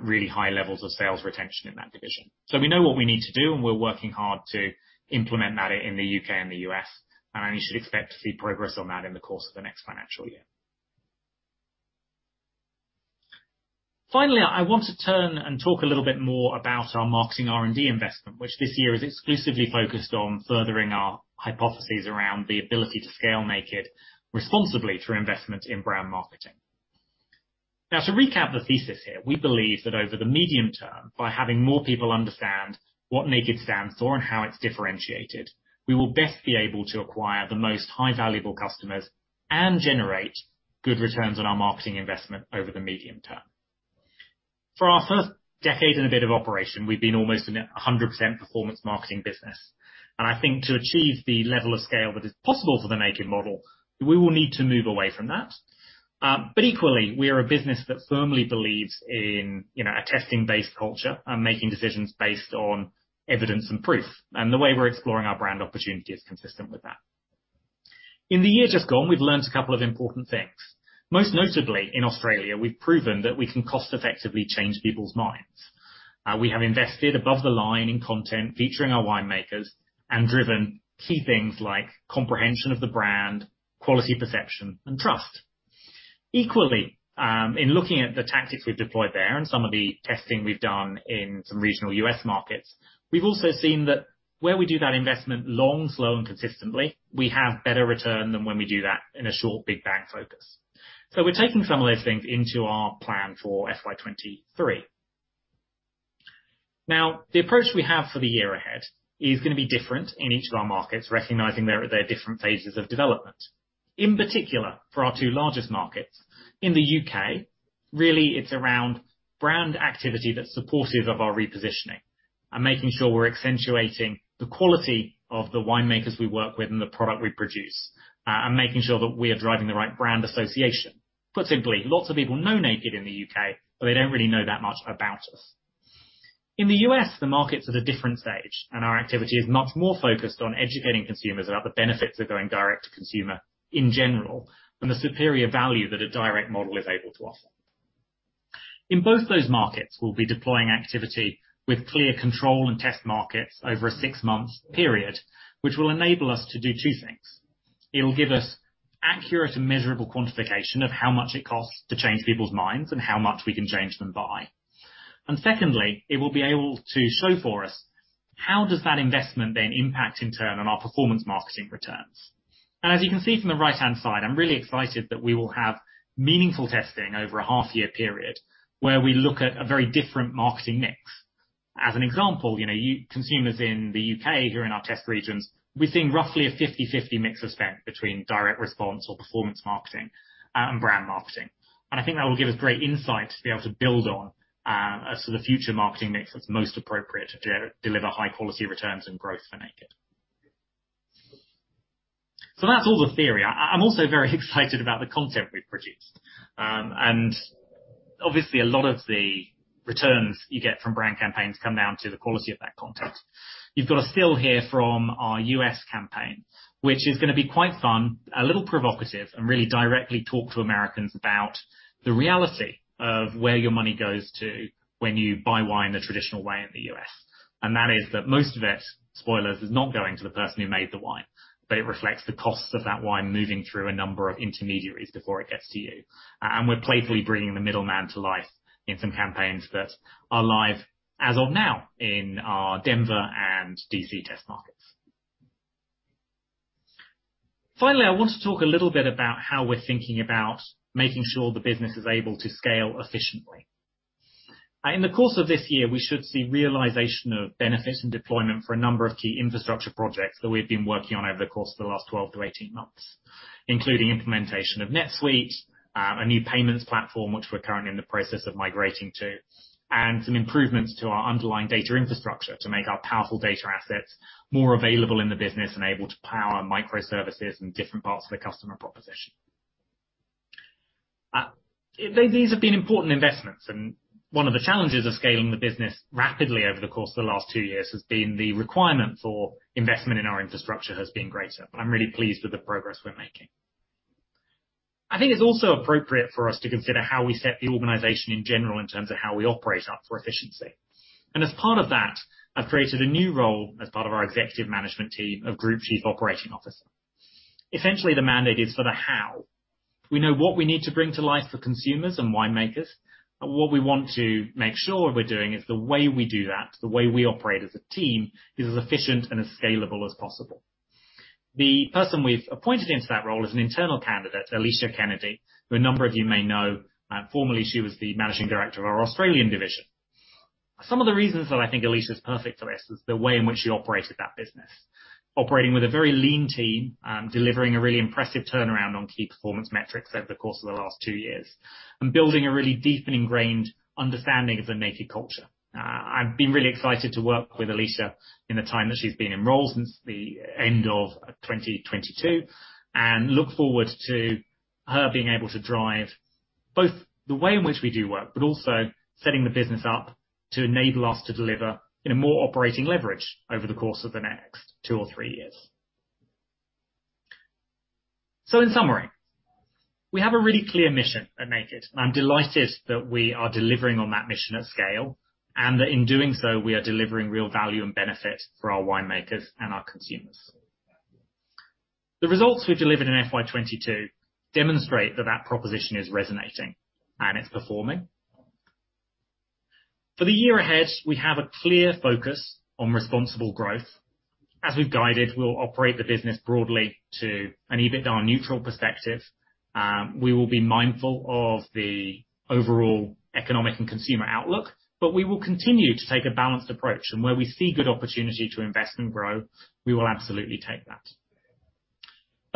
really high levels of sales retention in that division. We know what we need to do, and we're working hard to implement that in the U.K. and the U.S., and you should expect to see progress on that in the course of the next financial year. Finally, I want to turn and talk a little bit more about our marketing R&D investment, which this year is exclusively focused on furthering our hypotheses around the ability to scale Naked responsibly through investment in brand marketing. Now, to recap the thesis here, we believe that over the medium term, by having more people understand what Naked stands for and how it's differentiated, we will best be able to acquire the most high valuable customers and generate good returns on our marketing investment over the medium term. For our first decade and a bit of operation, we've been almost a 100% performance marketing business. I think to achieve the level of scale that is possible for the Naked model, we will need to move away from that. Equally, we are a business that firmly believes in, you know, a testing-based culture and making decisions based on evidence and proof. The way we're exploring our brand opportunity is consistent with that. In the year just gone, we've learned a couple of important things. Most notably, in Australia, we've proven that we can cost-effectively change people's minds. We have invested above the line in content featuring our winemakers and driven key things like comprehension of the brand, quality perception, and trust. Equally, in looking at the tactics we've deployed there and some of the testing we've done in some regional U.S. markets, we've also seen that where we do that investment long, slow and consistently, we have better return than when we do that in a short, big bang focus. We're taking some of those things into our plan for FY 2023. Now, the approach we have for the year ahead is gonna be different in each of our markets, recognizing their different phases of development. In particular, for our two largest markets, in the U.K., really, it's around brand activity that's supportive of our repositioning and making sure we're accentuating the quality of the winemakers we work with and the product we produce, and making sure that we are driving the right brand association. Put simply, lots of people know Naked in the U.K., but they don't really know that much about us. In the U.S., the market's at a different stage, and our activity is much more focused on educating consumers about the benefits of going direct to consumer in general, and the superior value that a direct model is able to offer. In both those markets, we'll be deploying activity with clear control and test markets over a six-month period, which will enable us to do two things. It will give us accurate and measurable quantification of how much it costs to change people's minds and how much we can change them by. Secondly, it will be able to show for us, how does that investment then impact in turn on our performance marketing returns? As you can see from the right-hand side, I'm really excited that we will have meaningful testing over a half-year period where we look at a very different marketing mix. As an example, you know, our consumers in the U.K. who are in our test regions, we're seeing roughly a 50/50 mix of spend between direct response or performance marketing and brand marketing. I think that will give us great insight to be able to build on, as to the future marketing mix that's most appropriate to deliver high-quality returns and growth for Naked. That's all the theory. I'm also very excited about the content we've produced. Obviously a lot of the returns you get from brand campaigns come down to the quality of that content. You've got a still here from our U.S. campaign, which is gonna be quite fun, a little provocative, and really directly talk to Americans about the reality of where your money goes to when you buy wine the traditional way in the U.S. That is that most of it, spoilers, is not going to the person who made the wine, but it reflects the cost of that wine moving through a number of intermediaries before it gets to you. We're playfully bringing the middleman to life in some campaigns that are live as of now in our Denver and D.C. test markets. Finally, I want to talk a little bit about how we're thinking about making sure the business is able to scale efficiently. In the course of this year, we should see realization of benefits and deployment for a number of key infrastructure projects that we've been working on over the course of the last 12-18 months, including implementation of NetSuite, a new payments platform, which we're currently in the process of migrating to, and some improvements to our underlying data infrastructure to make our powerful data assets more available in the business and able to power microservices and different parts of the customer proposition. These have been important investments, and one of the challenges of scaling the business rapidly over the course of the last two years has been the requirement for investment in our infrastructure has been greater. I'm really pleased with the progress we're making. I think it's also appropriate for us to consider how we set the organization in general in terms of how we set up for efficiency. As part of that, I've created a new role as part of our executive management team of Group Chief Operating Officer. Essentially, the mandate is for the how. We know what we need to bring to life for consumers and winemakers, and what we want to make sure we're doing is the way we do that, the way we operate as a team, is as efficient and as scalable as possible. The person we've appointed into that role is an internal candidate, Alicia Kennedy, who a number of you may know. Formerly, she was the Managing Director of our Australian division. Some of the reasons that I think Alicia is perfect for this is the way in which she operated that business, operating with a very lean team, delivering a really impressive turnaround on key performance metrics over the course of the last two years, and building a really deep and ingrained understanding of the Naked culture. I've been really excited to work with Alicia in the time that she's been enrolled since the end of 2022, and look forward to her being able to drive both the way in which we do work, but also setting the business up to enable us to deliver with more operating leverage over the course of the next two or three years. In summary, we have a really clear mission at Naked. I'm delighted that we are delivering on that mission at scale, and that in doing so, we are delivering real value and benefit for our winemakers and our consumers. The results we've delivered in FY 2022 demonstrate that proposition is resonating, and it's performing. For the year ahead, we have a clear focus on responsible growth. As we've guided, we'll operate the business broadly to an EBITDA neutral perspective. We will be mindful of the overall economic and consumer outlook, but we will continue to take a balanced approach. Where we see good opportunity to invest and grow, we will absolutely take that.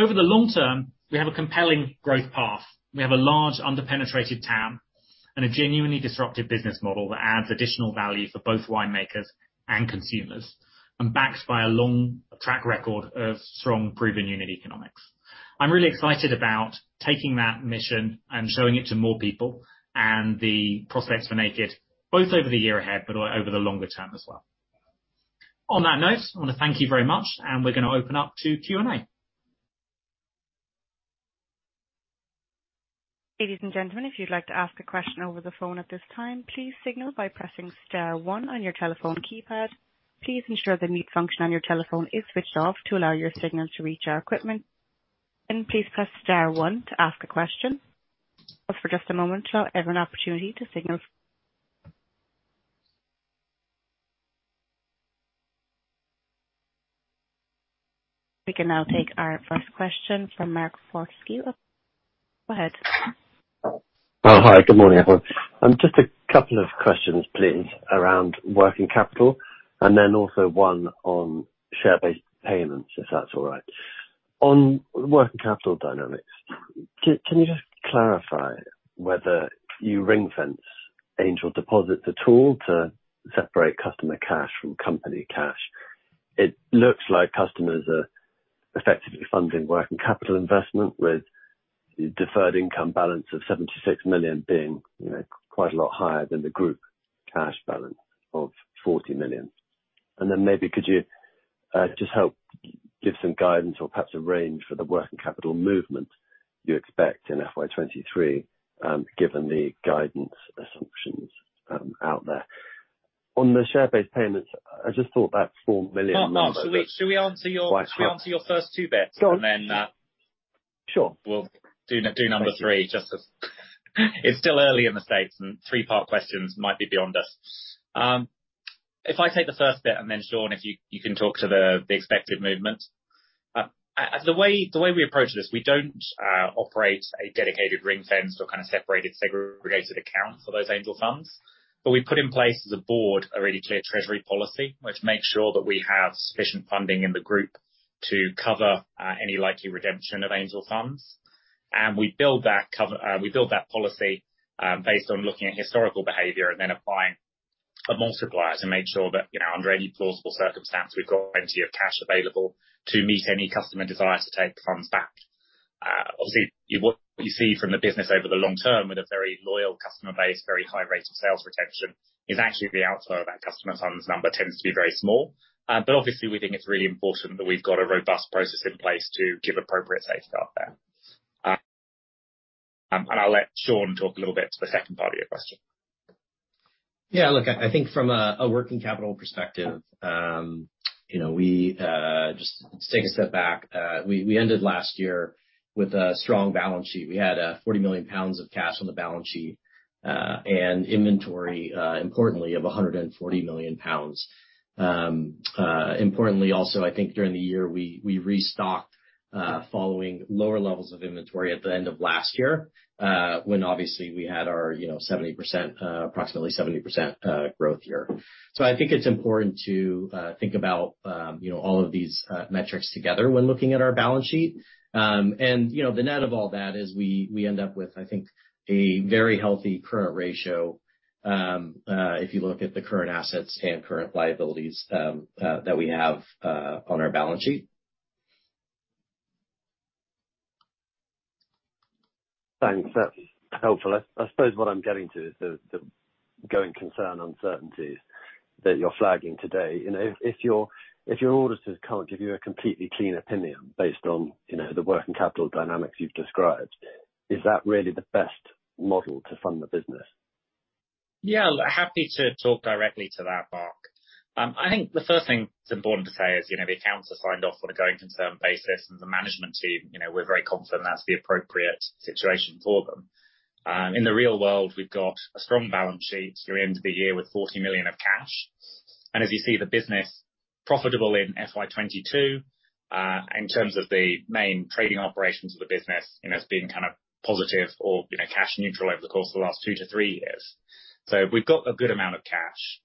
Over the long term, we have a compelling growth path. We have a large underpenetrated TAM and a genuinely disruptive business model that adds additional value for both winemakers and consumers, and backed by a long track record of strong proven unit economics. I'm really excited about taking that mission and showing it to more people and the prospects for Naked, both over the year ahead, but over the longer term as well. On that note, I wanna thank you very much, and we're gonna open up to Q&A. Ladies and gentlemen, if you'd like to ask a question over the phone at this time, please signal by pressing star one on your telephone keypad. Please ensure the mute function on your telephone is switched off to allow your signal to reach our equipment. Please press star one to ask a question. Hold for just a moment to have an opportunity to signal. We can now take our first question from Mark Borskey. Go ahead. Oh, hi. Good morning, everyone. Just a couple of questions, please, around working capital and then also one on share-based payments, if that's all right. On working capital dynamics, can you just clarify whether you ring-fence Angel deposits at all to separate customer cash from company cash? It looks like customers are effectively funding working capital investment, with deferred income balance of 76 million being, you know, quite a lot higher than the group cash balance of 40 million. Then maybe could you just help give some guidance or perhaps a range for the working capital movement you expect in FY 2023, given the guidance assumptions out there. On the share-based payments, I just thought that 4 million number was- Mark. Should we answer your first two bits? Sure. And then- Sure. We'll do number three. It's still early in the States, and three-part questions might be beyond us. If I take the first bit, and then, Shawn, if you can talk to the expected movement. The way we approach this, we don't operate a dedicated ring-fence or kinda separated segregated account for those Angel funds. We put in place as a board a really clear treasury policy, which makes sure that we have sufficient funding in the group to cover any likely redemption of Angel funds. We build that cover. We build that policy based on looking at historical behavior and then applying a multiplier to make sure that, you know, under any plausible circumstance, we've got plenty of cash available to meet any customer desire to take the funds back. Obviously, what you see from the business over the long term, with a very loyal customer base, very high rates of sales retention, is actually the outflow of that customer funds number tends to be very small. Obviously we think it's really important that we've got a robust process in place to give appropriate safeguard there. I'll let Shawn talk a little bit to the second part of your question. Yeah, look, I think from a working capital perspective, you know, we just take a step back. We ended last year with a strong balance sheet. We had 40 million pounds of cash on the balance sheet, and inventory, importantly, of 140 million pounds. Importantly, also, I think during the year, we restocked following lower levels of inventory at the end of last year, when obviously we had our, you know, 70%, approximately 70%, growth year. I think it's important to think about, you know, all of these metrics together when looking at our balance sheet. You know, the net of all that is we end up with, I think, a very healthy current ratio, if you look at the current assets and current liabilities, that we have on our balance sheet. Thanks. That's helpful. I suppose what I'm getting to is the going concern uncertainties that you're flagging today. You know, if your auditors can't give you a completely clean opinion based on, you know, the working capital dynamics you've described, is that really the best model to fund the business? Yeah. Happy to talk directly to that, Mark. I think the first thing that's important to say is, you know, the accounts are signed off on a going concern basis and the management team, you know, we're very confident that's the appropriate situation for them. In the real world, we've got a strong balance sheet going into the year with 40 million of cash. As you see the business profitable in FY 2022, in terms of the main trading operations of the business, you know, it's been kind of positive or, you know, cash neutral over the course of the last two to three years. We've got a good amount of cash.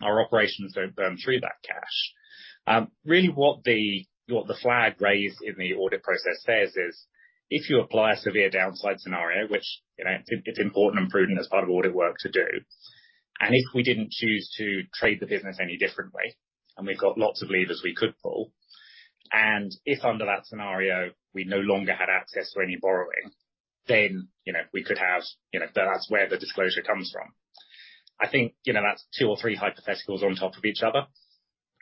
Our operations don't burn through that cash. Really what the flag raised in the audit process says is, if you apply a severe downside scenario, which, you know, it's important and prudent as part of audit work to do, and if we didn't choose to trade the business any different way, and we've got lots of levers we could pull, and if under that scenario, we no longer had access to any borrowing, then, you know, we could have. You know, that's where the disclosure comes from. I think, you know, that's two or three hypotheticals on top of each other.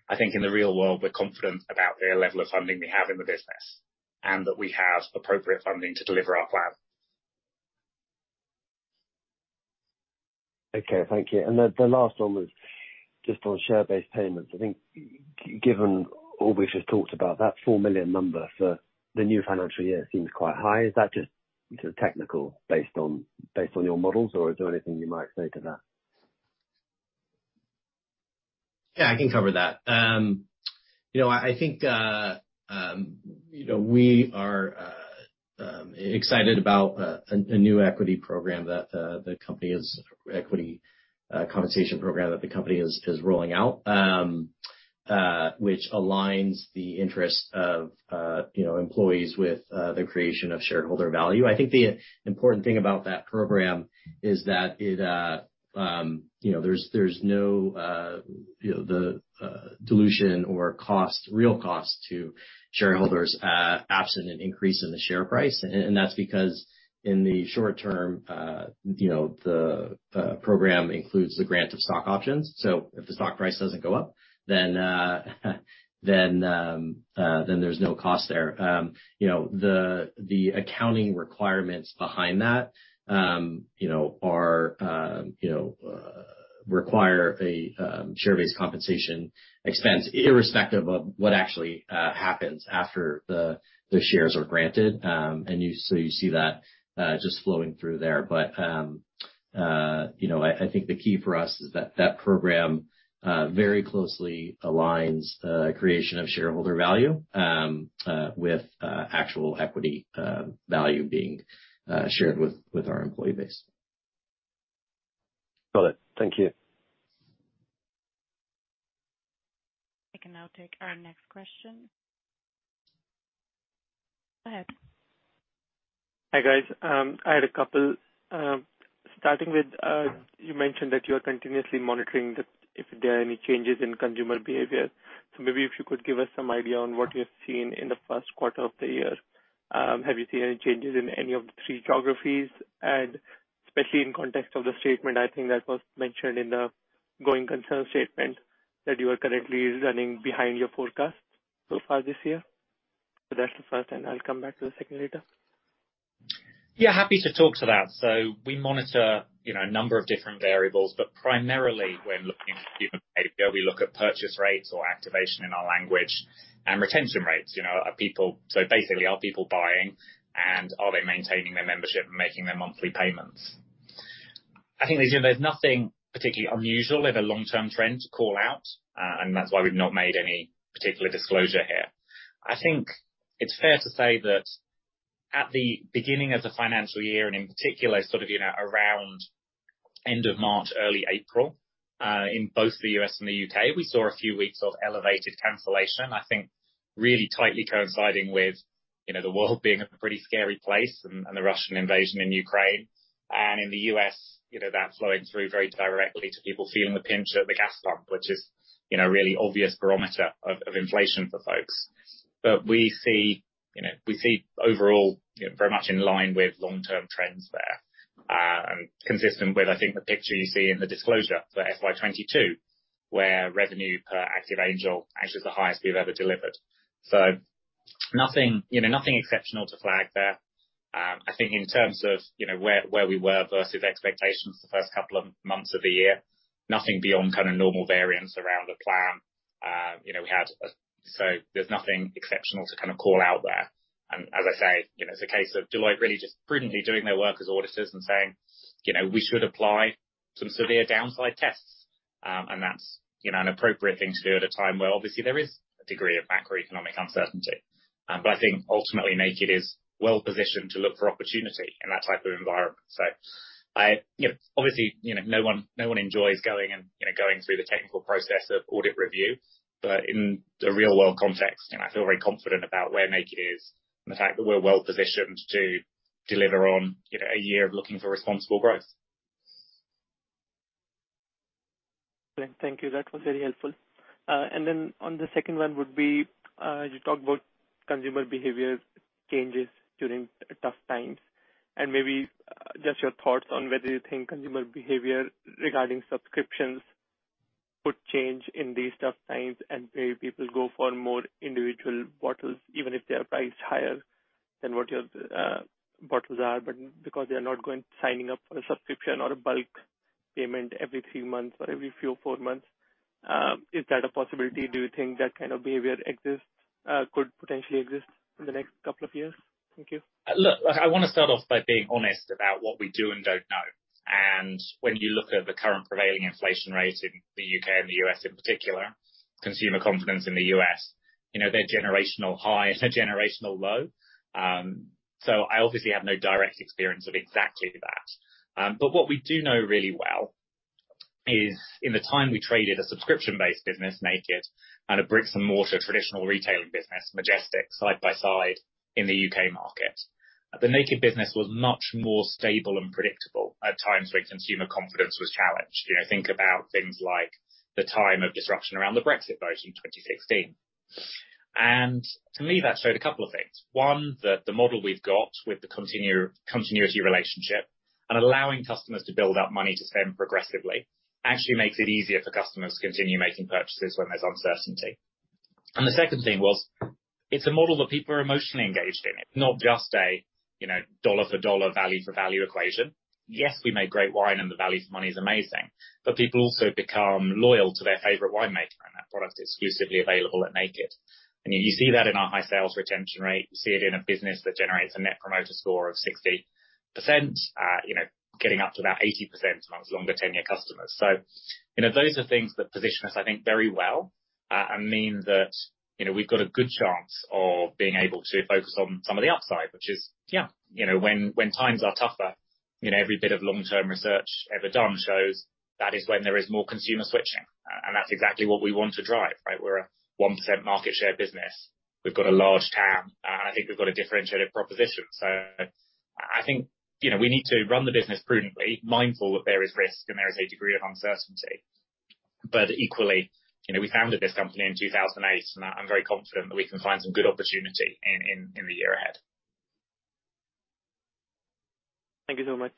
I think in the real world, we're confident about the level of funding we have in the business and that we have appropriate funding to deliver our plan. Okay. Thank you. The last one was just on share-based payments. I think given all we've just talked about, that 4 million number for the new financial year seems quite high. Is that just sort of technical based on your models, or is there anything you might say to that? Yeah, I can cover that. You know, I think you know, we are excited about a new equity compensation program that the company is rolling out, which aligns the interest of employees with the creation of shareholder value. I think the important thing about that program is that it you know, there's no the dilution or real cost to shareholders absent an increase in the share price. That's because in the short term you know, the program includes the grant of stock options. If the stock price doesn't go up, then then there's no cost there. You know, the accounting requirements behind that, you know, require a share-based compensation expense irrespective of what actually happens after the shares are granted. You see that just flowing through there. I think the key for us is that program very closely aligns creation of shareholder value with actual equity value being shared with our employee base. Got it. Thank you. We can now take our next question. Go ahead. Hi, guys. I had a couple. Starting with, you mentioned that you are continuously monitoring if there are any changes in consumer behavior. Maybe if you could give us some idea on what you have seen in the first quarter of the year. Have you seen any changes in any of the three geographies? Especially in context of the statement, I think that was mentioned in the going concern statement that you are currently running behind your forecast so far this year. That's the first, and I'll come back to the second later. Yeah, happy to talk to that. We monitor, you know, a number of different variables, but primarily we're looking at human behavior. We look at purchase rates, activation, Angel, and retention rates. You know, basically, are people buying and are they maintaining their membership and making their monthly payments? I think there's, you know, nothing particularly unusual in the long-term trend to call out, and that's why we've not made any particular disclosure here. I think it's fair to say that at the beginning of the financial year, and in particular sort of, you know, around end of March, early April, in both the U.S. and the U.K., we saw a few weeks of elevated cancellation. I think really tightly coinciding with, you know, the world being a pretty scary place and the Russian invasion in Ukraine. In the U.S., you know, that's flowing through very directly to people feeling the pinch at the gas pump, which is, you know, a really obvious barometer of inflation for folks. We see overall, you know, very much in line with long-term trends there. Consistent with, I think, the picture you see in the disclosure for FY 2022, where revenue per active Angel actually is the highest we've ever delivered. Nothing, you know, nothing exceptional to flag there. I think in terms of, you know, where we were versus expectations the first couple of months of the year, nothing beyond kind of normal variance around the plan, you know, we had. There's nothing exceptional to kind of call out there. As I say, you know, it's a case of Deloitte really just prudently doing their work as auditors and saying, you know, "We should apply some severe downside tests." That's, you know, an appropriate thing to do at a time where obviously there is a degree of macroeconomic uncertainty. I think ultimately Naked is well-positioned to look for opportunity in that type of environment. I, you know, obviously, you know, no one enjoys going and, you know, going through the technical process of audit review, but in the real-world context, you know, I feel very confident about where Naked is and the fact that we're well-positioned to deliver on, you know, a year of looking for responsible growth. Great. Thank you. That was very helpful. You talked about consumer behavior changes during tough times, and maybe just your thoughts on whether you think consumer behavior regarding subscriptions would change in these tough times, and maybe people go for more individual bottles, even if they are priced higher than what your bottles are, but because they're not going to sign up for a subscription or a bulk payment every three months or every four months. Is that a possibility? Do you think that kind of behavior exists, could potentially exist in the next couple of years? Thank you. Look, I wanna start off by being honest about what we do and don't know. When you look at the current prevailing inflation rate in the U.K. and the U.S. in particular, consumer confidence in the U.S., you know, they're generational high and a generational low. So I obviously have no direct experience of exactly that. But what we do know really well is in the time we traded a subscription-based business, Naked, and a bricks-and-mortar traditional retailing business, Majestic, side by side in the U.K. market, the Naked business was much more stable and predictable at times when consumer confidence was challenged. You know, think about things like the time of disruption around the Brexit vote in 2016. To me, that showed a couple of things. One, that the model we've got with the continuity relationship and allowing customers to build up money to spend progressively actually makes it easier for customers to continue making purchases when there's uncertainty. The second thing was it's a model that people are emotionally engaged in. It's not just a, you know, dollar for dollar value for value equation. Yes, we make great wine, and the value for money is amazing, but people also become loyal to their favorite winemaker and that product exclusively available at Naked. I mean, you see that in our high sales retention rate. You see it in a business that generates a net promoter score of 60%, you know, getting up to about 80% amongst longer tenure customers. You know, those are things that position us, I think, very well, and mean that, you know, we've got a good chance of being able to focus on some of the upside, which is, yeah, you know, when times are tougher, you know, every bit of long-term research ever done shows that is when there is more consumer switching. And that's exactly what we want to drive, right? We're a 1% market share business. We've got a large TAM, and I think we've got a differentiated proposition. You know, we need to run the business prudently, mindful that there is risk and there is a degree of uncertainty. Equally, you know, we founded this company in 2008, and I'm very confident that we can find some good opportunity in the year ahead. Thank you so much.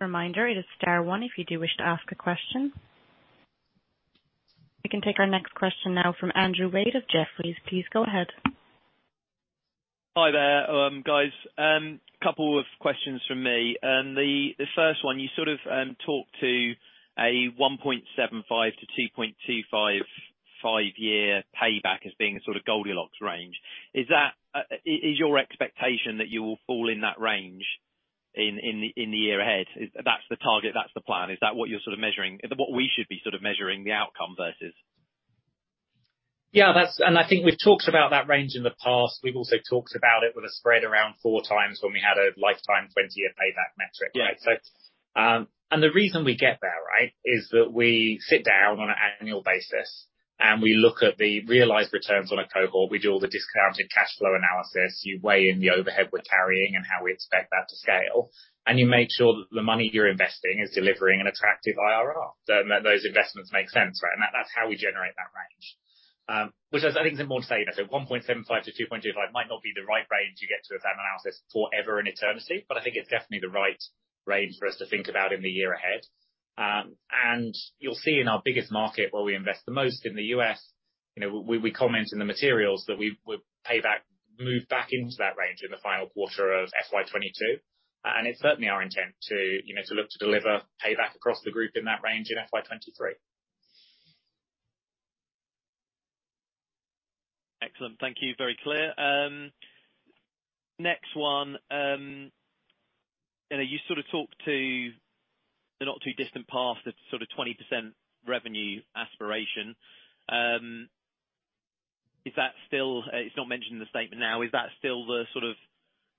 Reminder, it is star one if you do wish to ask a question. We can take our next question now from Andrew Wade of Jefferies. Please go ahead. Hi there, guys. Couple of questions from me. The first one, you sort of talked to a 1.75x-2.25x five-year payback as being a sort of Goldilocks range. Is that your expectation that you will fall in that range in the year ahead? That's the target, that's the plan. Is that what we should be sort of measuring the outcome versus? I think we've talked about that range in the past. We've also talked about it with a spread around 4x when we had a lifetime 20-year payback metric, right? Yeah. The reason we get there, right, is that we sit down on an annual basis, and we look at the realized returns on a cohort. We do all the discounted cash flow analysis. You weigh in the overhead we're carrying and how we expect that to scale, and you make sure that the money you're investing is delivering an attractive IRR, so those investments make sense, right? That, that's how we generate that range. Which is, I think I mean to say that a 1.75x-2.25x might not be the right range you get to a DCF analysis forever in eternity, but I think it's definitely the right range for us to think about in the year ahead. You'll see in our biggest market where we invest the most, in the U.S., you know, we comment in the materials that we moved back into that range in the final quarter of FY 2022. It's certainly our intent to, you know, to look to deliver payback across the group in that range in FY 2023. Excellent. Thank you. Very clear. Next one, you know, you sort of talked to the not too distant past, that sort of 20% revenue aspiration. Is that still. It's not mentioned in the statement now. Is that still the sort of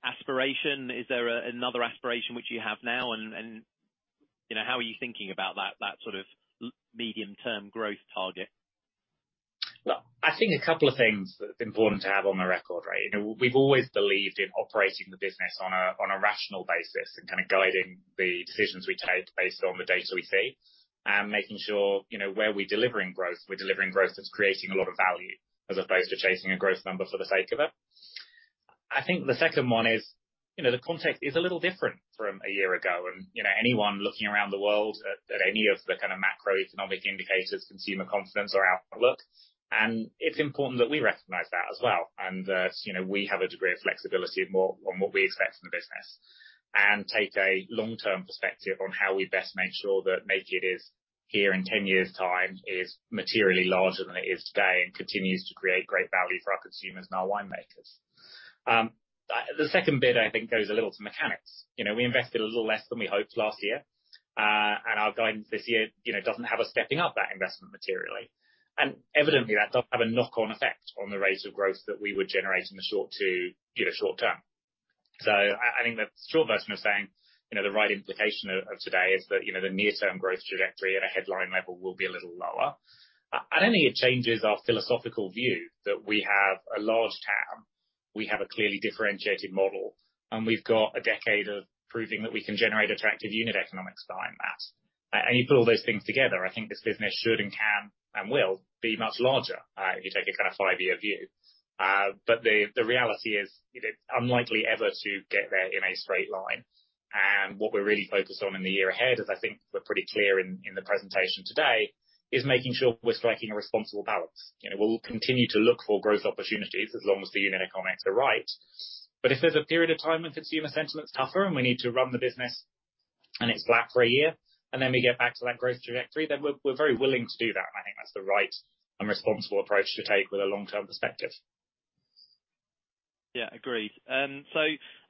aspiration? Is there another aspiration which you have now and, you know, how are you thinking about that sort of medium-term growth target? Look, I think a couple of things that's important to have on the record, right? You know, we've always believed in operating the business on a rational basis and kinda guiding the decisions we take based on the data we see, and making sure, you know, where we're delivering growth, we're delivering growth that's creating a lot of value, as opposed to chasing a growth number for the sake of it. I think the second one is, you know, the context is a little different from a year ago and, you know, anyone looking around the world at any of the kinda macroeconomic indicators, consumer confidence or outlook, and it's important that we recognize that as well. That, you know, we have a degree of flexibility on what we expect from the business, and take a long-term perspective on how we best make sure that Naked is here in 10 years' time, is materially larger than it is today, and continues to create great value for our consumers and our winemakers. The second bit I think goes a little to mechanics. You know, we invested a little less than we hoped last year, and our guidance this year, you know, doesn't have us stepping up that investment materially. Evidently, that does have a knock-on effect on the rates of growth that we would generate in the short to, you know, short-term. I think the short version of saying, you know, the right implication of today is that, you know, the near-term growth trajectory at a headline level will be a little lower. I don't think it changes our philosophical view that we have a large TAM, we have a clearly differentiated model, and we've got a decade of proving that we can generate attractive unit economics behind that. And you put all those things together, I think this business should and can, and will, be much larger, if you take a kind of five-year view. The reality is, you know, unlikely ever to get there in a straight line. What we're really focused on in the year ahead, as I think we're pretty clear in the presentation today, is making sure we're striking a responsible balance. You know, we'll continue to look for growth opportunities as long as the unit economics are right. If there's a period of time when consumer sentiment's tougher and we need to run the business and it's flat for a year, and then we get back to that growth trajectory, then we're very willing to do that. I think that's the right and responsible approach to take with a long-term perspective. Yeah, agreed. I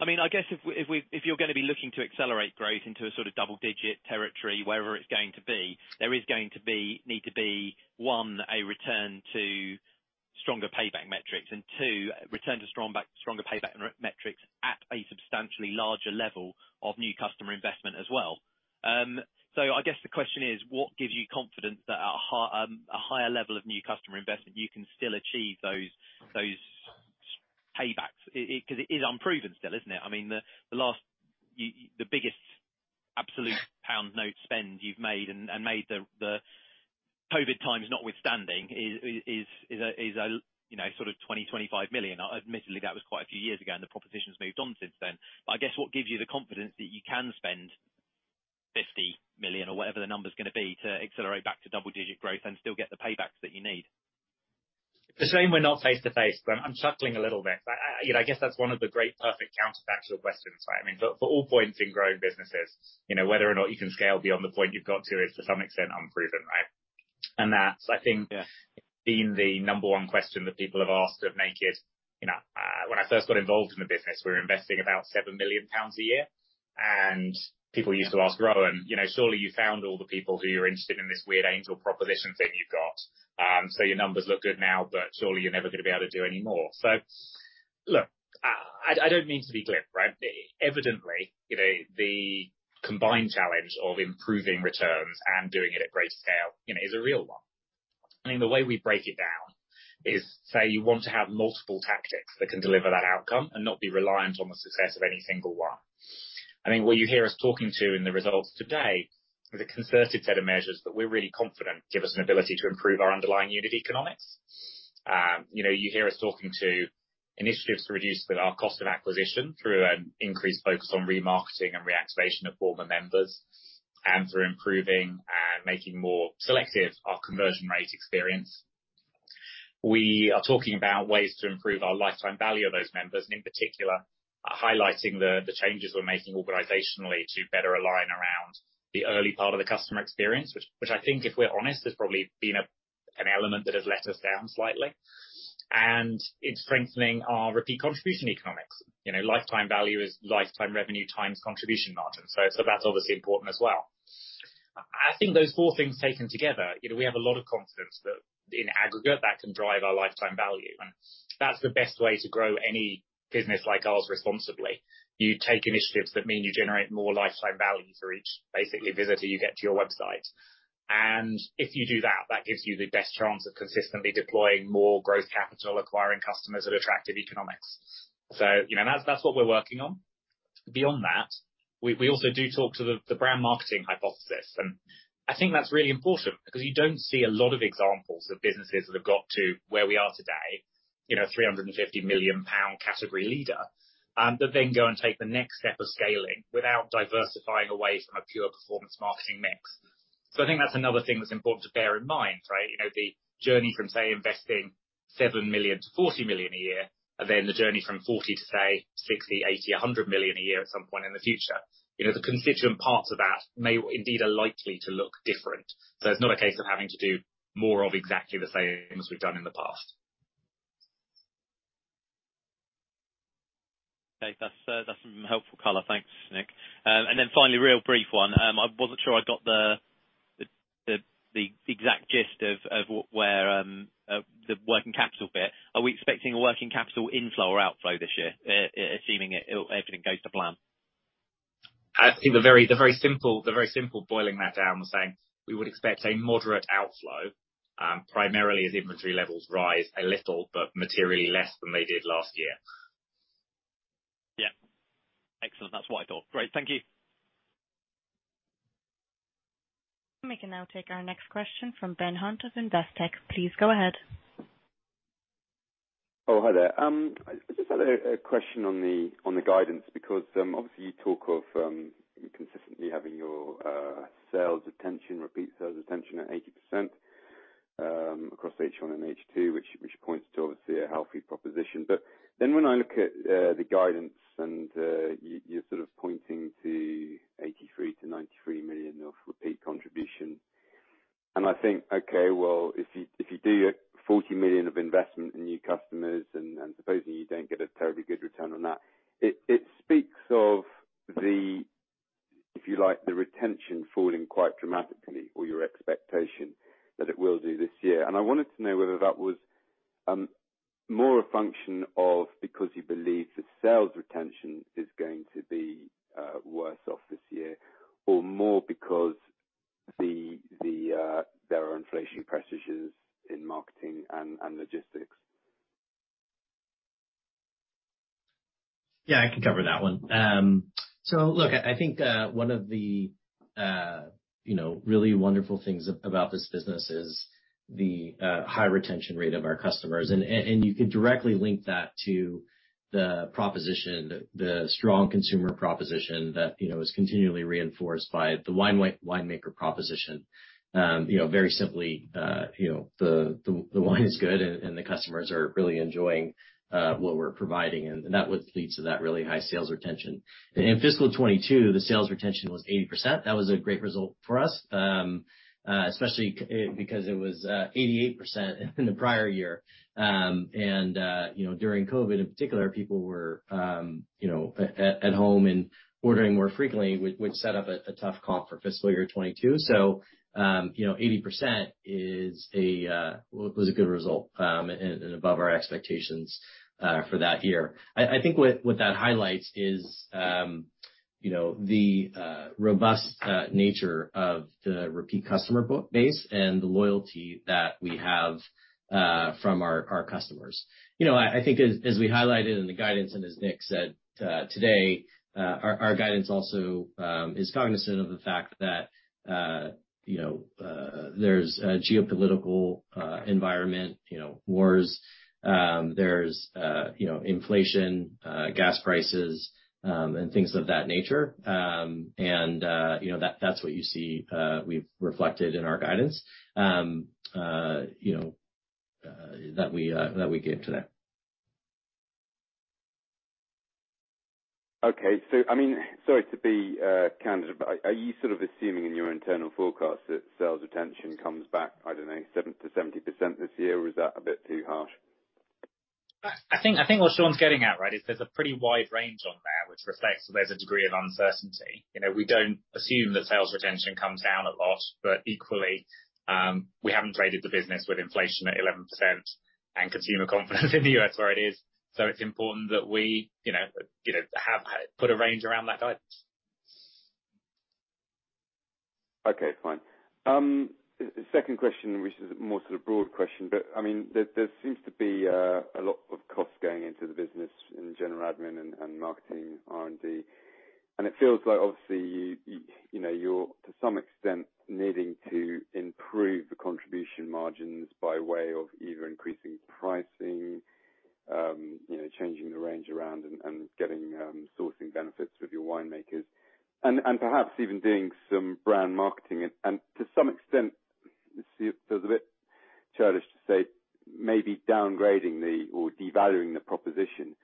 mean, I guess if you're gonna be looking to accelerate growth into a sort of double-digit territory, wherever it's going to be, there needs to be, one, a return to stronger payback metrics, and two, return to stronger payback metrics at a substantially larger level of new customer investment as well. I guess the question is, what gives you confidence that at a higher level of new customer investment, you can still achieve those paybacks? 'Cause it is unproven still, isn't it? I mean, the biggest absolute pound note spend you've made, and made the COVID times notwithstanding is a, you know, sort of 20 million-25 million. Admittedly, that was quite a few years ago, and the proposition's moved on since then. I guess what gives you the confidence that you can spend 50 million or whatever the number's gonna be to accelerate back to double-digit growth and still get the paybacks that you need? It's a shame we're not face to face, but I'm chuckling a little bit. You know, I guess that's one of the great perfect counterfactual questions, right? I mean, for all points in growing businesses, you know, whether or not you can scale beyond the point you've got to is to some extent unproven, right? That's, I think. Yeah. Been the number one question that people have asked of Naked. You know, when I first got involved in the business, we were investing about 7 million pounds a year. People used to ask Rowan, "You know, surely you've found all the people who are interested in this weird angel proposition thing you've got. So your numbers look good now, but surely you're never gonna be able to do any more." Look, I don't mean to be glib, right? Evidently, you know, the combined challenge of improving returns and doing it at greater scale, you know, is a real one. I mean, the way we break it down is, say you want to have multiple tactics that can deliver that outcome and not be reliant on the success of any single one. I mean, what you hear us talking to in the results today is a concerted set of measures that we're really confident give us an ability to improve our underlying unit economics. You know, you hear us talking to initiatives to reduce our cost of acquisition through an increased focus on remarketing and reactivation of former members, and through improving and making more selective our conversion rate experience. We are talking about ways to improve our lifetime value of those members, and in particular, highlighting the changes we're making organizationally to better align around the early part of the customer experience, which I think, if we're honest, has probably been an element that has let us down slightly. In strengthening our repeat contribution economics. You know, lifetime value is lifetime revenue times contribution margin. So that's obviously important as well. I think those four things taken together, you know, we have a lot of confidence that in aggregate, that can drive our lifetime value. That's the best way to grow any business like ours responsibly. You take initiatives that mean you generate more lifetime value for each, basically, visitor you get to your website. If you do that gives you the best chance of consistently deploying more growth capital, acquiring customers at attractive economics. You know, that's what we're working on. Beyond that, we also do talk to the brand marketing hypothesis. I think that's really important because you don't see a lot of examples of businesses that have got to where we are today, you know, 350 million pound category leader, that then go and take the next step of scaling without diversifying away from a pure performance marketing mix. I think that's another thing that's important to bear in mind, right? You know, the journey from, say, investing 7 million to 40 million a year, and then the journey from 40 million to, say, 60 million, 80 million, 100 million a year at some point in the future. You know, the constituent parts of that may indeed are likely to look different. It's not a case of having to do more of exactly the same as we've done in the past. Okay. That's some helpful color. Thanks, Nick. Then finally, really brief one. I wasn't sure I got the exact gist of where the working capital bit. Are we expecting a working capital inflow or outflow this year, assuming everything goes to plan? I think the very simple boiling that down, we're saying we would expect a moderate outflow, primarily as inventory levels rise a little, but materially less than they did last year. Yeah. Excellent. That's what I thought. Great. Thank you. We can now take our next question from Ben Hunt of Investec. Please go ahead. Oh, hi there. I just had a question on the guidance because obviously you talk of consistently having your sales retention, repeat sales retention at 80% across H1 and H2, which points to obviously a healthy proposition. When I look at the guidance and you are sort of pointing to 83 million-93 million of repeat contribution. I think, okay, well, if you do 40 million of investment in new customers and supposing you do not get a terribly good return on that, it speaks of if you like the retention falling quite dramatically or your expectation that it will do this year. I wanted to know whether that was more a function of because you believe the sales retention is going to be worse off this year, or more because the there are inflation pressures in marketing and logistics? Yeah, I can cover that one. So look, I think one of the you know, really wonderful things about this business is the high retention rate of our customers. You can directly link that to the proposition, the strong consumer proposition that you know, is continually reinforced by the wine maker proposition. You know, very simply, you know, the wine is good and the customers are really enjoying what we're providing, and that would lead to that really high sales retention. In fiscal year 2022, the sales retention was 80%. That was a great result for us, especially because it was 88% in the prior year. You know, during COVID in particular, people were you know, at home and ordering more frequently, which set up a tough comp for fiscal year 2022. 80% was a good result, and above our expectations, for that year. I think what that highlights is you know, the robust nature of the repeat customer base and the loyalty that we have from our customers. You know, I think as we highlighted in the guidance and as Nick said today, our guidance also is cognizant of the fact that you know, there's a geopolitical environment, you know, wars. There's you know, inflation, gas prices, and things of that nature. You know, that's what you see. We've reflected in our guidance, you know, that we gave today. Okay. I mean, sorry to be candid, but are you sort of assuming in your internal forecast that sales retention comes back, I don't know, 7%-70% this year? Or is that a bit too harsh? I think what Shawn's getting at, right, is there's a pretty wide range on there which reflects there's a degree of uncertainty. You know, we don't assume that sales retention comes down a lot, but equally, we haven't traded the business with inflation at 11% and consumer confidence in the U.S. where it is. It's important that we, you know, have put a range around that guidance. Okay, fine. Second question, which is more sort of broad question, but I mean, there seems to be a lot of costs going into the business in general admin and marketing, R&D. It feels like obviously you know you're to some extent needing to improve the contribution margins by way of either increasing pricing, you know, changing the range around and getting sourcing benefits with your winemakers, and perhaps even doing some brand marketing. To some extent, it feels a bit churlish to say, maybe downgrading the or devaluing the proposition.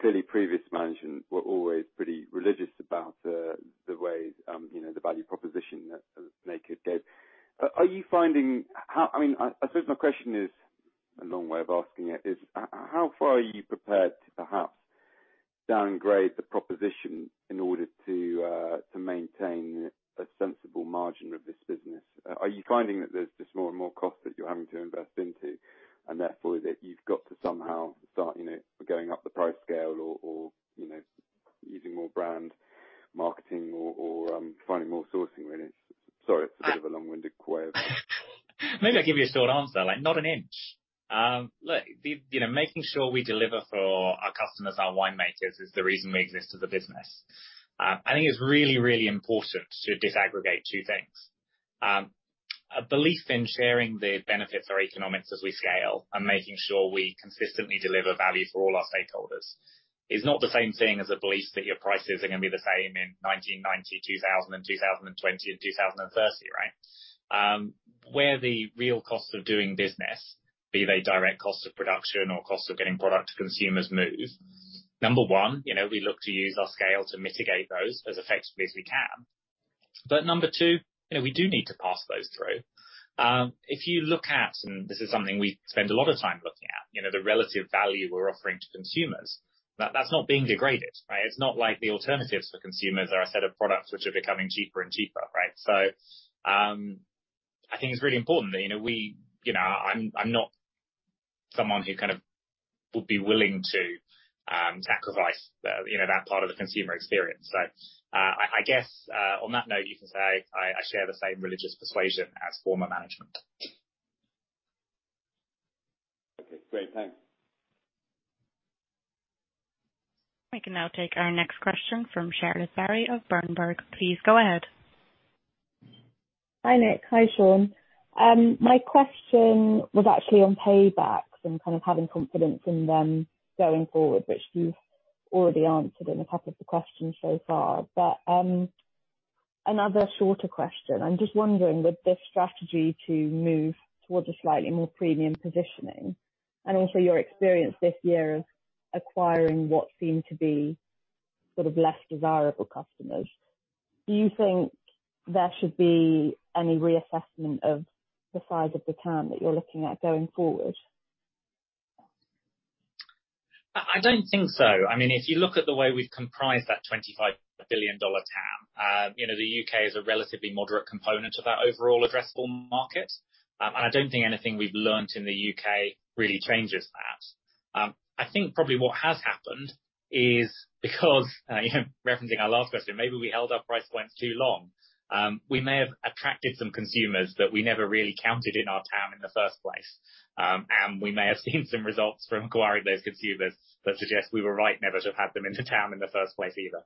Clearly previous management were always pretty religious about the way you know the value proposition that Naked gave. I mean, I suppose my question is, a long way of asking it, is how far are you prepared to perhaps downgrade the proposition in order to maintain a sensible margin of this business? Are you finding that there's just more and more costs that you're having to invest into and therefore that you've got to somehow start, you know, going up the price scale or, you know, using more brand marketing or finding more sourcing really? Sorry, it's a bit of a long-winded way of asking it. Maybe I'll give you a short answer, like not an inch. Look, you know, making sure we deliver for our customers, our winemakers, is the reason we exist as a business. I think it's really, really important to disaggregate two things. A belief in sharing the benefits or economics as we scale and making sure we consistently deliver value for all our stakeholders is not the same thing as a belief that your prices are gonna be the same in 1990, 2020, and 2030, right? Where the real cost of doing business, be they direct cost of production or cost of getting product to consumers move. Number one, you know, we look to use our scale to mitigate those as effectively as we can. Number two, you know, we do need to pass those through. If you look at, this is something we spend a lot of time looking at, you know, the relative value we're offering to consumers, that's not being degraded, right? It's not like the alternatives for consumers are a set of products which are becoming cheaper and cheaper, right? I think it's really important that, you know, we, you know, I'm not someone who kind of would be willing to sacrifice the, you know, that part of the consumer experience. I guess, on that note, you can say I share the same religious persuasion as former management. Okay, great. Thanks. We can now take our next question from Charlotte Barry of Berenberg. Please go ahead. Hi, Nick. Hi, Shawn. My question was actually on paybacks and kind of having confidence in them going forward, which you've already answered in a couple of the questions so far. Another shorter question. I'm just wondering, with this strategy to move towards a slightly more premium positioning and also your experience this year of acquiring what seem to be sort of less desirable customers, do you think there should be any reassessment of the size of the TAM that you're looking at going forward? I don't think so. I mean, if you look at the way we've composed that $25 billion TAM, you know, the U.K. is a relatively moderate component of that overall addressable market. I don't think anything we've learned in the U.K. really changes that. I think probably what has happened is because, referencing our last question, maybe we held our price points too long. We may have attracted some consumers that we never really counted in our TAM in the first place. We may have seen some results from acquiring those consumers that suggest we were right never to have had them in the TAM in the first place either.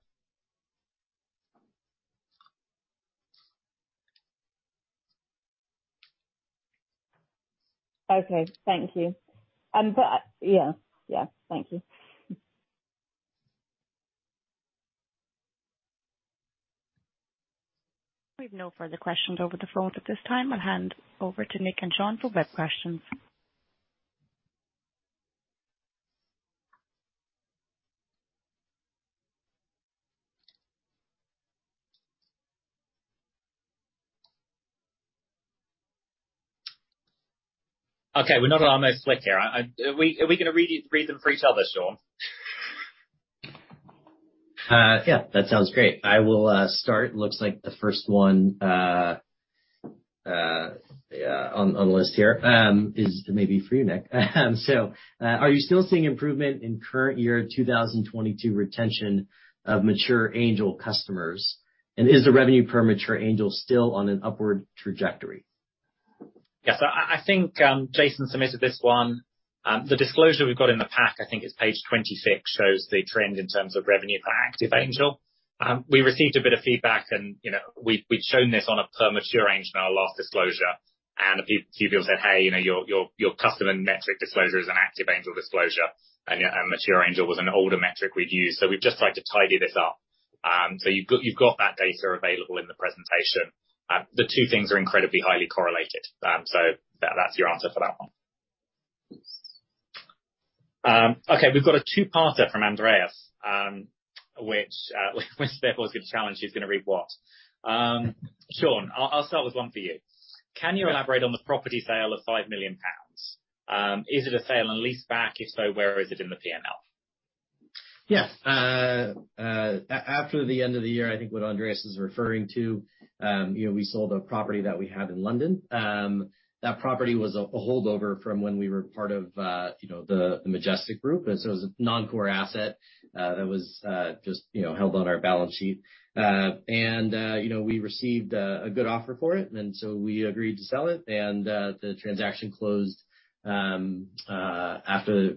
Okay. Thank you. Yeah. Yeah. Thank you. We have no further questions over the phone at this time. I'll hand over to Nick and Shawn for web questions. Okay. We're not on my slide here. Are we gonna read them for each other, Shawn? Yeah. That sounds great. I will start. Looks like the first one on the list here is maybe for you, Nick. Are you still seeing improvement in current year 2022 retention of mature Angel customers? And is the revenue per mature Angel still on an upward trajectory? Yes. I think Jason submitted this one. The disclosure we've got in the pack, I think it's page 26, shows the trend in terms of revenue for active Angel. We received a bit of feedback and, you know, we'd shown this on a per mature Angel in our last disclosure, and a few people said, "Hey, you know, your customer metric disclosure is an active Angel disclosure," and a mature Angel was an older metric we'd use. We'd just like to tidy this up. You've got that data available in the presentation. The two things are incredibly highly correlated. That's your answer for that one. Okay, we've got a two-parter from Andrea, which therefore is gonna challenge who's gonna read what. Shawn, I'll start with one for you. Can you elaborate on the property sale of 5 million pounds? Is it a sale and leaseback? If so, where is it in the P&L? Yeah. After the end of the year, I think what Andrea is referring to, you know, we sold a property that we had in London. That property was a holdover from when we were part of, you know, the Majestic Wine Group. It was a non-core asset that was just, you know, held on our balance sheet. You know, we received a good offer for it, and so we agreed to sell it. The transaction closed after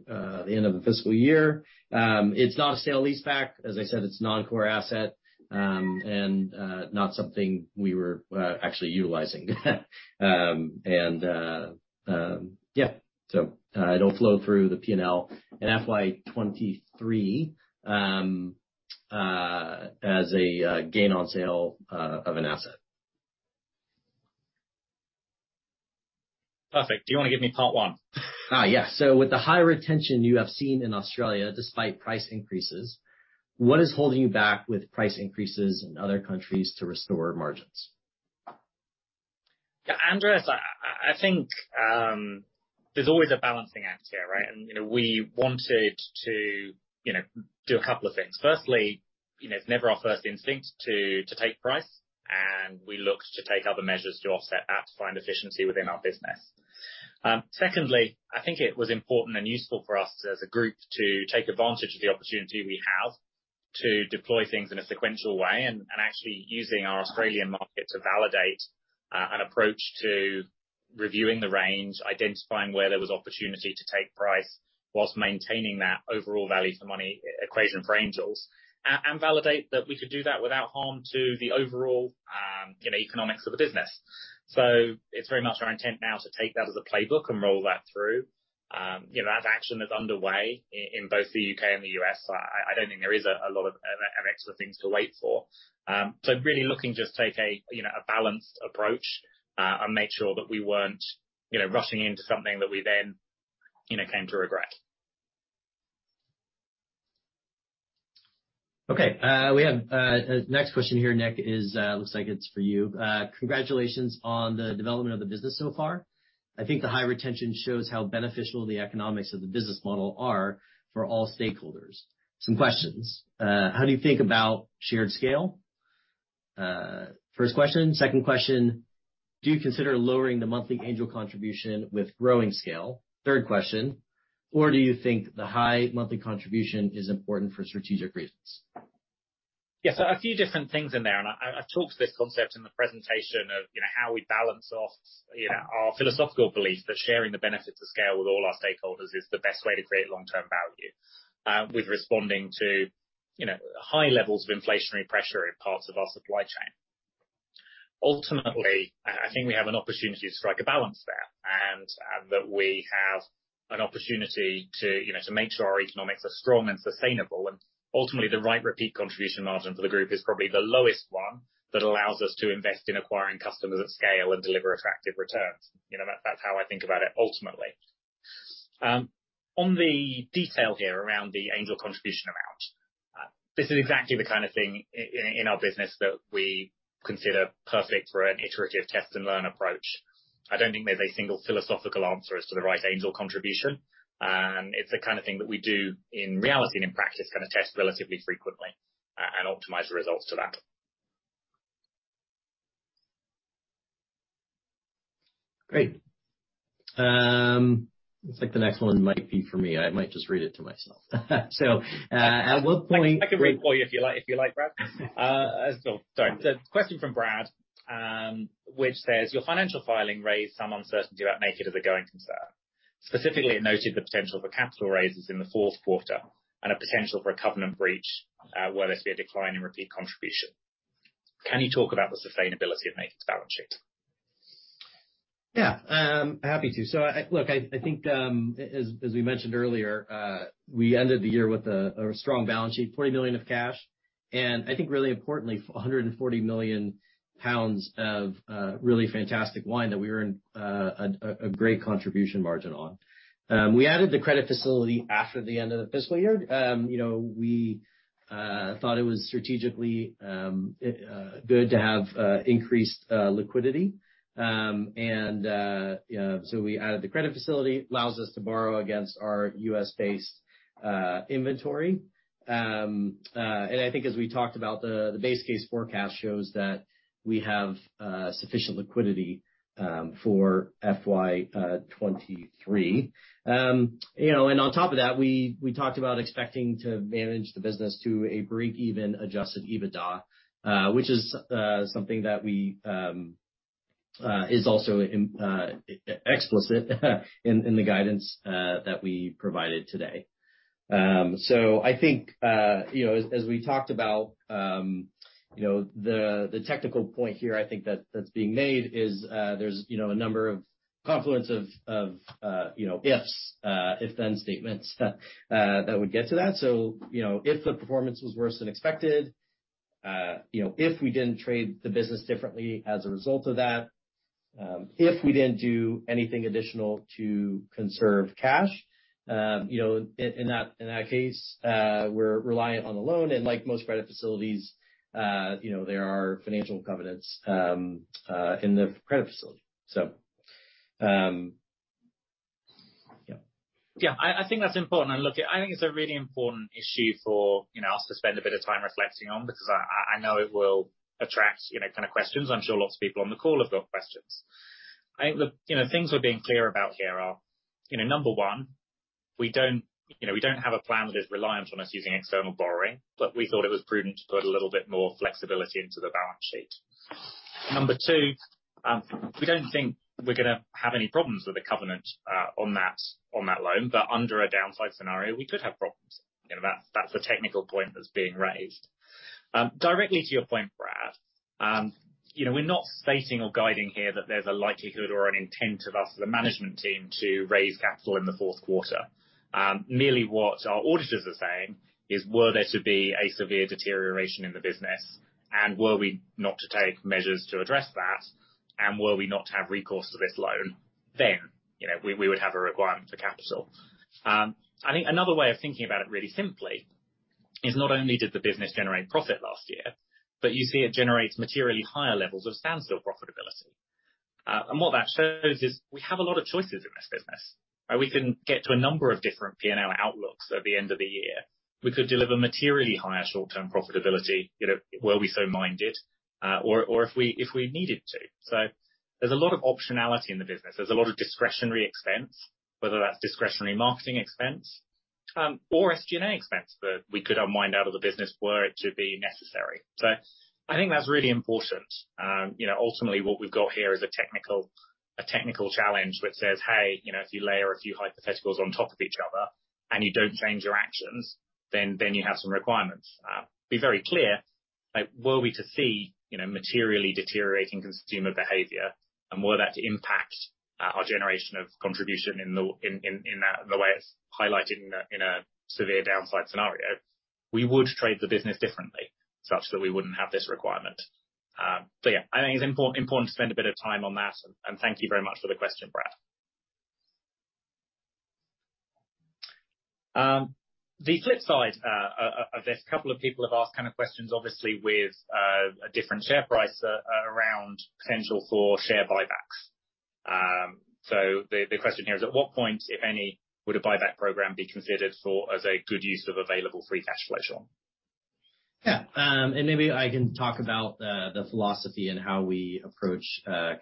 the end of the fiscal year. It's not a sale-leaseback. As I said, it's a non-core asset, and not something we were actually utilizing. Yeah. It'll flow through the P&L in FY 2023 as a gain on sale of an asset. Perfect. Do you wanna give me part one? With the high retention you have seen in Australia, despite price increases, what is holding you back with price increases in other countries to restore margins? Yeah, Andrea, I think there's always a balancing act here, right? You know, we wanted to, you know, do a couple of things. Firstly, you know, it's never our first instinct to take price, and we looked to take other measures to offset that, to find efficiency within our business. Secondly, I think it was important and useful for us as a group to take advantage of the opportunity we have to deploy things in a sequential way, and actually using our Australian market to validate an approach to reviewing the range, identifying where there was opportunity to take price while maintaining that overall value for money equation for Angels and validate that we could do that without harm to the overall, you know, economics of the business. It's very much our intent now to take that as a playbook and roll that through. You know, that action is underway in both the U.K. and the U.S. I don't think there is a lot of extra things to wait for. Really looking to just take a, you know, a balanced approach, and make sure that we're not, you know, rushing into something that we then, you know, came to regret. Okay. We have a next question here, Nick. It looks like it's for you. Congratulations on the development of the business so far. I think the high retention shows how beneficial the economics of the business model are for all stakeholders. Some questions. How do you think about sheer scale? First question. Second question, do you consider lowering the monthly Angel contribution with growing scale? Third question, or do you think the high monthly contribution is important for strategic reasons? Yeah. A few different things in there, and I've talked this concept in the presentation of, you know, how we balance off, you know, our philosophical belief that sharing the benefits of scale with all our stakeholders is the best way to create long-term value, with responding to, you know, high levels of inflationary pressure in parts of our supply chain. Ultimately, I think we have an opportunity to strike a balance there and that we have an opportunity to, you know, to make sure our economics are strong and sustainable. Ultimately, the right repeat contribution margin for the group is probably the lowest one that allows us to invest in acquiring customers at scale and deliver attractive returns. You know, that's how I think about it, ultimately. On the detail here around the Angel contribution amount, this is exactly the kind of thing in our business that we consider perfect for an iterative test and learn approach. I don't think there's a single philosophical answer as to the right Angel contribution. It's the kind of thing that we do in reality and in practice, kinda test relatively frequently, and optimize the results to that. Great. Looks like the next one might be for me. I might just read it to myself. At what point? I can read it for you if you like, Brad. So sorry. The question from Brad, which says, "Your financial filing raised some uncertainty about Naked as a going concern. Specifically, it noted the potential for capital raises in the fourth quarter and a potential for a covenant breach, were there to be a decline in repeat contribution. Can you talk about the sustainability of Naked's balance sheet? Happy to. Look, I think, as we mentioned earlier, we ended the year with a strong balance sheet, 40 million of cash. I think really importantly, 140 million pounds of really fantastic wine that we earn a great contribution margin on. We added the credit facility after the end of the fiscal year. You know, we thought it was strategically good to have increased liquidity. We added the credit facility. It allows us to borrow against our U.S.-based inventory. I think as we talked about, the base case forecast shows that we have sufficient liquidity for FY 2023. You know, on top of that, we talked about expecting to manage the business to a breakeven adjusted EBITDA, which is something that we is also explicit in the guidance that we provided today. I think, you know, as we talked about, you know, the technical point here I think that's being made is, there's, you know, a number of confluence of, you know, ifs, if then statements, that would get to that. You know, if the performance was worse than expected, you know, if we didn't trade the business differently as a result of that, if we didn't do anything additional to conserve cash, you know, in that case, we're reliant on the loan. Like most credit facilities, you know, there are financial covenants in the credit facility. Yeah. Yeah. I think that's important. Look, I think it's a really important issue for, you know, us to spend a bit of time reflecting on because I know it will attract, you know, kind of questions. I'm sure lots of people on the call have got questions. I think, look, you know, things we're being clear about here are, you know, number one, we don't have a plan that is reliant on us using external borrowing, but we thought it was prudent to put a little bit more flexibility into the balance sheet. Number two, we don't think we're gonna have any problems with the covenant on that loan. Under a downside scenario, we could have problems. You know, that's the technical point that's being raised. Directly to your point, Brad, you know, we're not stating or guiding here that there's a likelihood or an intent of us, the management team, to raise capital in the fourth quarter. Merely what our auditors are saying is, were there to be a severe deterioration in the business and were we not to take measures to address that and were we not to have recourse to this loan, then, you know, we would have a requirement for capital. I think another way of thinking about it really simply is not only did the business generate profit last year, but you see it generates materially higher levels of standstill profitability. What that shows is we have a lot of choices in this business. We can get to a number of different P&L outlooks at the end of the year. We could deliver materially higher short-term profitability, you know, were we so minded, or if we needed to. There's a lot of optionality in the business. There's a lot of discretionary expense, whether that's discretionary marketing expense, or SG&A expense that we could unwind out of the business were it to be necessary. I think that's really important. You know, ultimately what we've got here is a technical challenge which says, "Hey, you know, if you layer a few hypotheticals on top of each other and you don't change your actions, then you have some requirements." Be very clear, like, were we to see, you know, materially deteriorating consumer behavior and were that to impact our generation of contribution in the way it's highlighted in a severe downside scenario, we would trade the business differently such that we wouldn't have this requirement. So yeah. I think it's important to spend a bit of time on that. Thank you very much for the question, Brad. The flip side of this, a couple of people have asked kind of questions, obviously, with a different share price around potential for share buybacks. The question here is, at what point, if any, would a buyback program be considered as a good use of available free cash flow, Shawn? Yeah. Maybe I can talk about the philosophy and how we approach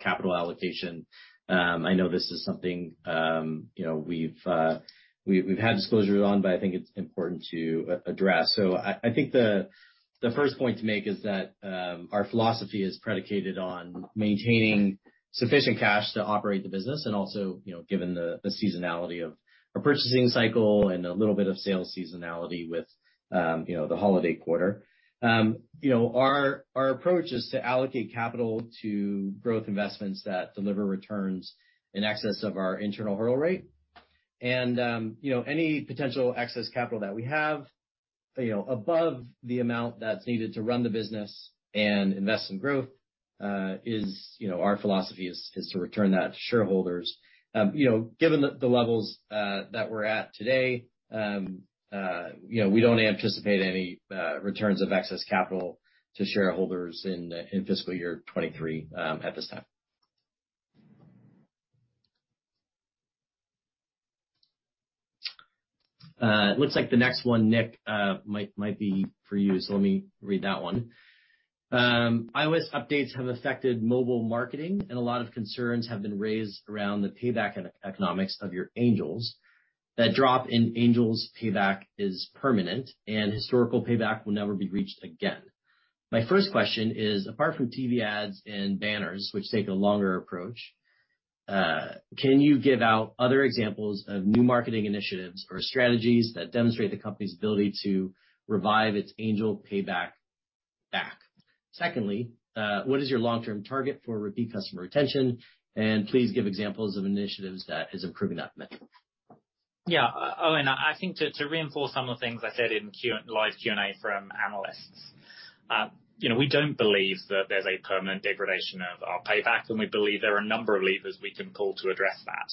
capital allocation. I know this is something, you know, we've had disclosure on, but I think it's important to address. I think the first point to make is that our philosophy is predicated on maintaining sufficient cash to operate the business and also, you know, given the seasonality of our purchasing cycle and a little bit of sales seasonality with, you know, the holiday quarter. You know, our approach is to allocate capital to growth investments that deliver returns in excess of our internal hurdle rate. You know, any potential excess capital that we have, you know, above the amount that's needed to run the business and invest in growth, is, you know, our philosophy is to return that to shareholders. You know, given the levels that we're at today, you know, we don't anticipate any returns of excess capital to shareholders in fiscal year 2023, at this time. It looks like the next one, Nick, might be for you, so let me read that one. iOS updates have affected mobile marketing, and a lot of concerns have been raised around the payback economics of your Angels. That drop in Angels payback is permanent, and historical payback will never be reached again. My first question is, apart from TV ads and banners, which take a longer approach, can you give out other examples of new marketing initiatives or strategies that demonstrate the company's ability to revive its Angel payback? Secondly, what is your long-term target for repeat customer retention? Please give examples of initiatives that is improving that metric. Yeah. Owen, I think to reinforce some of the things I said in Q&A live Q&A from analysts. You know, we don't believe that there's a permanent degradation of our payback, and we believe there are a number of levers we can pull to address that.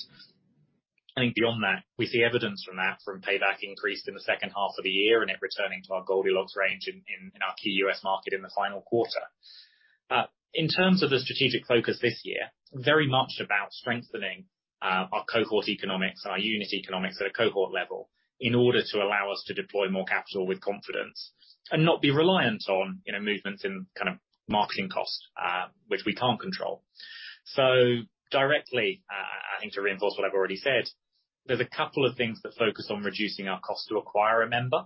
I think beyond that, we see evidence from that, from payback increase in the second half of the year, and it returning to our Goldilocks range in our key U.S. market in the final quarter. In terms of the strategic focus this year, very much about strengthening our cohort economics and our unit economics at a cohort level in order to allow us to deploy more capital with confidence and not be reliant on, you know, movements in kind of marketing cost, which we can't control. Directly, I think to reinforce what I've already said, there's a couple of things that focus on reducing our cost to acquire a member.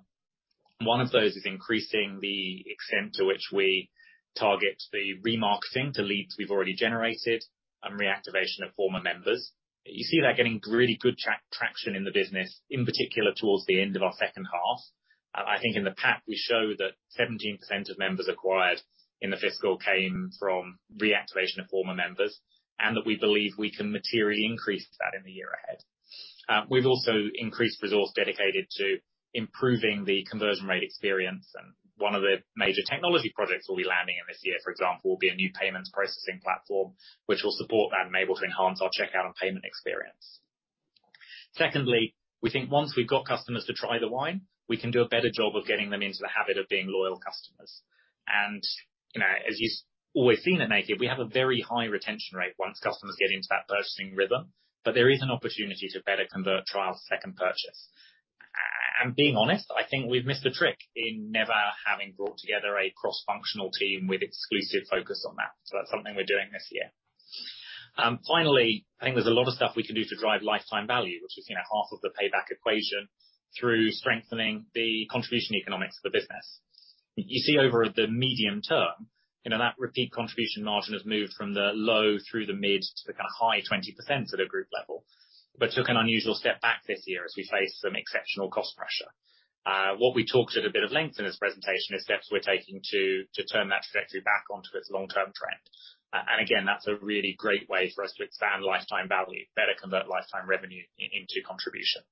One of those is increasing the extent to which we target the remarketing to leads we've already generated and reactivation of former members. You see that getting really good traction in the business, in particular towards the end of our second half. I think in the past, we show that 17% of members acquired in the fiscal came from reactivation of former members, and that we believe we can materially increase that in the year ahead. We've also increased resource dedicated to improving the conversion rate experience, and one of the major technology projects we'll be landing in this year, for example, will be a new payments processing platform, which will support that and able to enhance our checkout and payment experience. Secondly, we think once we've got customers to try the wine, we can do a better job of getting them into the habit of being loyal customers. You know, as you've always seen at Naked, we have a very high retention rate once customers get into that purchasing rhythm, but there is an opportunity to better convert trial to second purchase. Being honest, I think we've missed a trick in never having brought together a cross-functional team with exclusive focus on that. That's something we're doing this year. Finally, I think there's a lot of stuff we can do to drive lifetime value, which is, you know, half of the payback equation through strengthening the contribution economics of the business. You see over the medium term, you know, that repeat contribution margin has moved from the low through the mid to the kinda high 20% at a group level, but took an unusual step back this year as we faced some exceptional cost pressure. What we talked about at a bit of length in this presentation is steps we're taking to turn that trajectory back onto its long-term trend. And again, that's a really great way for us to expand lifetime value, better convert lifetime revenue into contribution.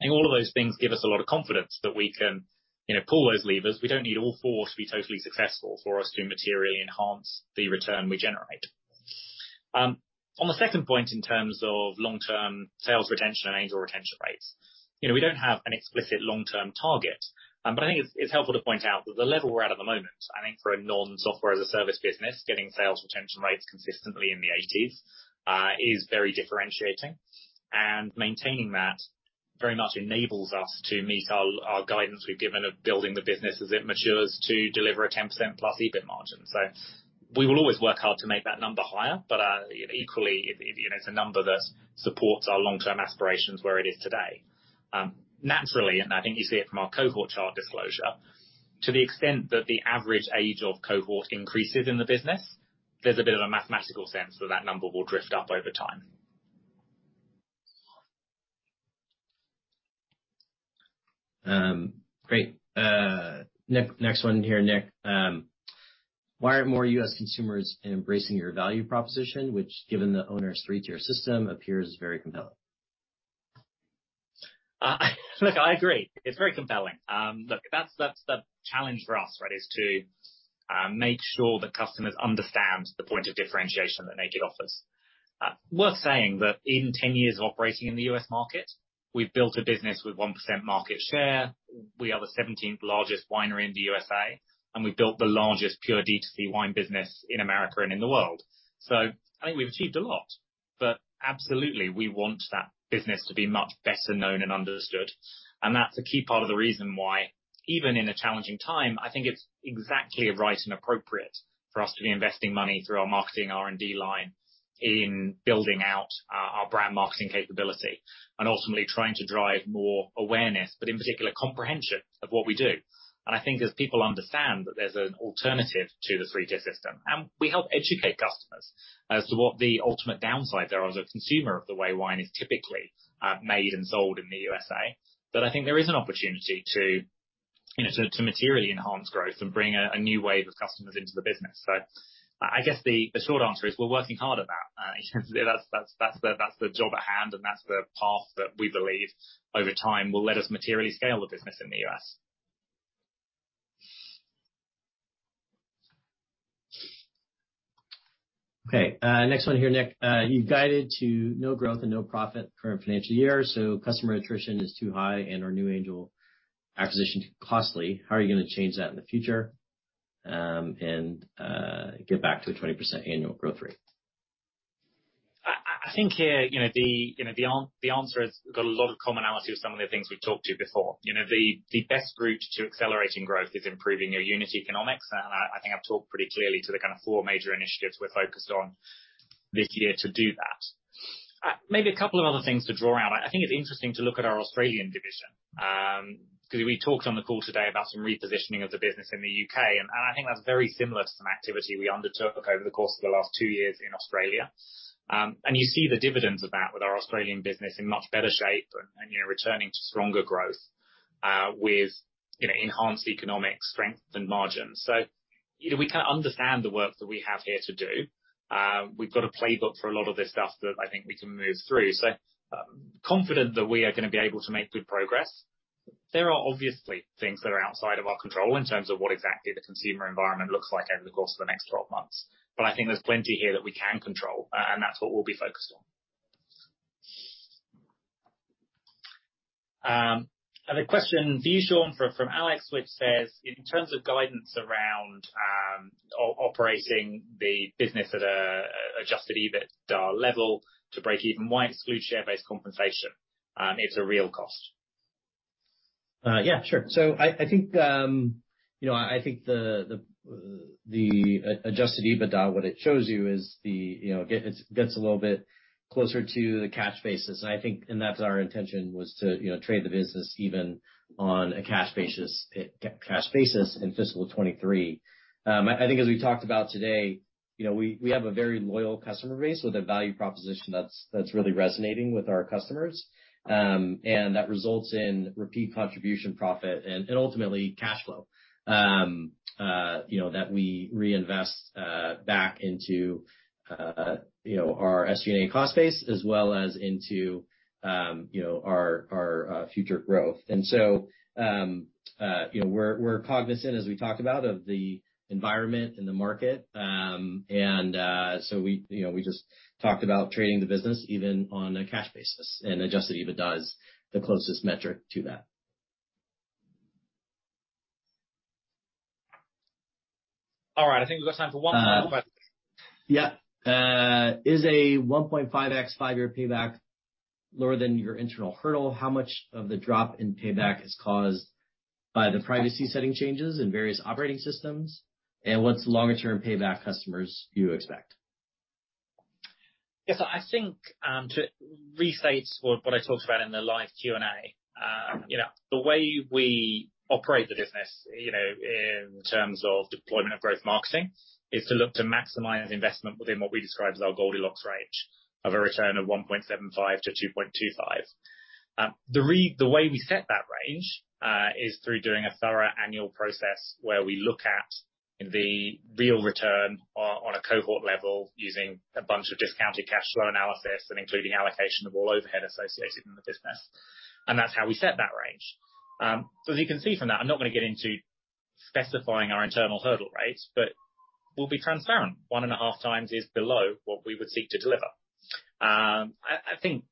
I think all of those things give us a lot of confidence that we can, you know, pull those levers. We don't need all four to be totally successful for us to materially enhance the return we generate. On the second point, in terms of long-term sales retention and Angel retention rates, you know, we don't have an explicit long-term target, but I think it's helpful to point out that the level we're at at the moment, I think for a non-software as a service business, getting sales retention rates consistently in the 80s% is very differentiating. Maintaining that very much enables us to meet our guidance we've given of building the business as it matures to deliver a 10%+ EBIT margin. We will always work hard to make that number higher, but, you know, equally, if you know, it's a number that supports our long-term aspirations where it is today. Naturally, I think you see it from our cohort chart disclosure, to the extent that the average age of cohort increases in the business, there's a bit of a mathematical sense that number will drift up over time. Great. Next one here, Nick. Why aren't more U.S. consumers embracing your value proposition, which, given the U.S.'s three-tier system, appears very compelling? Look, I agree. It's very compelling. Look, that's the challenge for us, right, is to make sure that customers understand the point of differentiation that Naked offers. Worth saying that in 10 years of operating in the U.S. market, we've built a business with 1% market share. We are the seventeenth largest winery in the USA, and we've built the largest pure D2C wine business in America and in the world. I think we've achieved a lot. Absolutely, we want that business to be much better known and understood. That's a key part of the reason why even in a challenging time, I think it's exactly right and appropriate for us to be investing money through our marketing R&D line in building out our brand marketing capability and ultimately trying to drive more awareness, but in particular, comprehension of what we do. I think as people understand that there's an alternative to the three-tier system, and we help educate customers as to what the ultimate downside there are as a consumer of the way wine is typically made and sold in the USA, then I think there is an opportunity to you know to materially enhance growth and bring a new wave of customers into the business. I guess the short answer is we're working hard at that. That's the job at hand, and that's the path that we believe over time will let us materially scale the business in the U.S.. Okay. Next one here, Nick. You've guided to no growth and no profit current financial year, so customer attrition is too high and our new Angel acquisition too costly. How are you gonna change that in the future, and get back to a 20% annual growth rate? I think here, you know, the answer has got a lot of commonality with some of the things we've talked to before. You know, the best route to accelerating growth is improving your unit economics. I think I've talked pretty clearly to the kinda four major initiatives we're focused on this year to do that. Maybe a couple of other things to draw out. I think it's interesting to look at our Australian division, 'cause we talked on the call today about some repositioning of the business in the U.K., and I think that's very similar to some activity we undertook over the course of the last two years in Australia. You see the dividends of that with our Australian business in much better shape and you know returning to stronger growth with you know enhanced economic strength and margins. You know, we kinda understand the work that we have here to do. We've got a playbook for a lot of this stuff that I think we can move through. Confident that we are gonna be able to make good progress. There are obviously things that are outside of our control in terms of what exactly the consumer environment looks like over the course of the next 12 months, but I think there's plenty here that we can control, and that's what we'll be focused on. A question for you, Shawn, from Alex, which says, "In terms of guidance around operating the business at a adjusted EBITDA level to break even, why exclude share-based compensation, if it's a real cost? Yeah, sure. I think the adjusted EBITDA, what it shows you is, you know, it gets a little bit closer to the cash basis. I think that's our intention was to, you know, trade the business even on a cash basis in fiscal year 2023. I think as we talked about today, you know, we have a very loyal customer base with a value proposition that's really resonating with our customers. That results in repeat contribution profit and ultimately cash flow, you know, that we reinvest back into, you know, our SG&A cost base as well as into our future growth. We're cognizant, as we talked about, of the environment and the market. You know, we're cognizant, as we talked about, of the environment and the market. You know, we just talked about trading the business even on a cash basis, and adjusted EBITDA is the closest metric to that. All right. I think we've got time for one more question. Is a 1.5x five-year payback lower than your internal hurdle? How much of the drop in payback is caused by the privacy setting changes in various operating systems? What's the longer term payback customers you expect? Yeah. I think to restate what I talked about in the live Q&A, you know, the way we operate the business, you know, in terms of deployment of growth marketing, is to look to maximize investment within what we describe as our Goldilocks range of a return of 1.75x-2.25x. The way we set that range is through doing a thorough annual process where we look at the real return on a cohort level using a bunch of discounted cash flow analysis and including allocation of all overhead associated in the business. That's how we set that range. As you can see from that, I'm not gonna get into specifying our internal hurdle rates, but we'll be transparent. 1.5 times is below what we would seek to deliver. I think,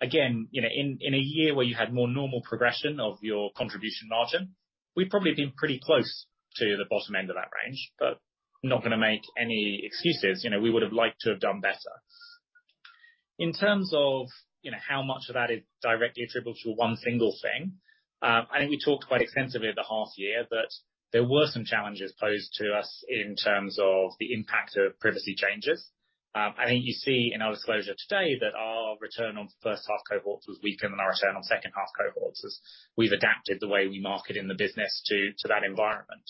again, you know, in a year where you had more normal progression of your contribution margin, we'd probably been pretty close to the bottom end of that range, but not gonna make any excuses. You know, we would have liked to have done better. In terms of, you know, how much of that is directly attributable to one single thing, I think we talked quite extensively at the half year that there were some challenges posed to us in terms of the impact of privacy changes. I think you see in our disclosure today that our return on first half cohorts was weaker than our return on second half cohorts as we've adapted the way we market in the business to that environment.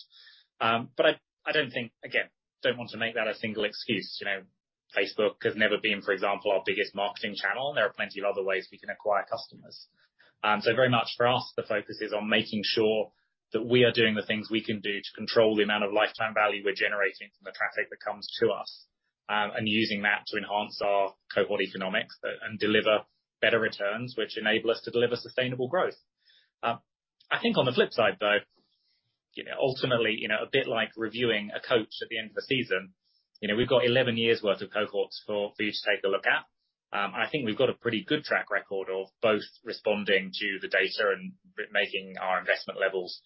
But I don't think. Again, don't want to make that a single excuse. You know, Facebook has never been, for example, our biggest marketing channel. There are plenty of other ways we can acquire customers. Very much for us, the focus is on making sure that we are doing the things we can do to control the amount of lifetime value we're generating from the traffic that comes to us, and using that to enhance our cohort economics and deliver better returns, which enable us to deliver sustainable growth. I think on the flip side, though, you know, ultimately, you know, a bit like reviewing a coach at the end of a season, you know, we've got 11 years' worth of cohorts for you to take a look at. I think we've got a pretty good track record of both responding to the data and making our investment levels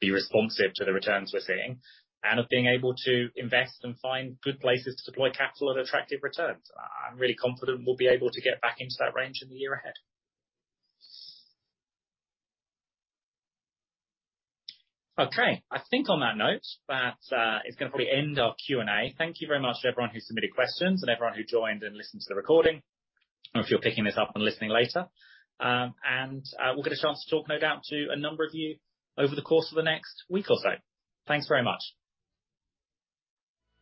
be responsive to the returns we're seeing and of being able to invest and find good places to deploy capital at attractive returns. I'm really confident we'll be able to get back into that range in the year ahead. Okay. I think on that note, that is gonna probably end our Q&A. Thank you very much to everyone who submitted questions and everyone who joined and listened to the recording, or if you're picking this up and listening later. We'll get a chance to talk no doubt to a number of you over the course of the next week or so. Thanks very much.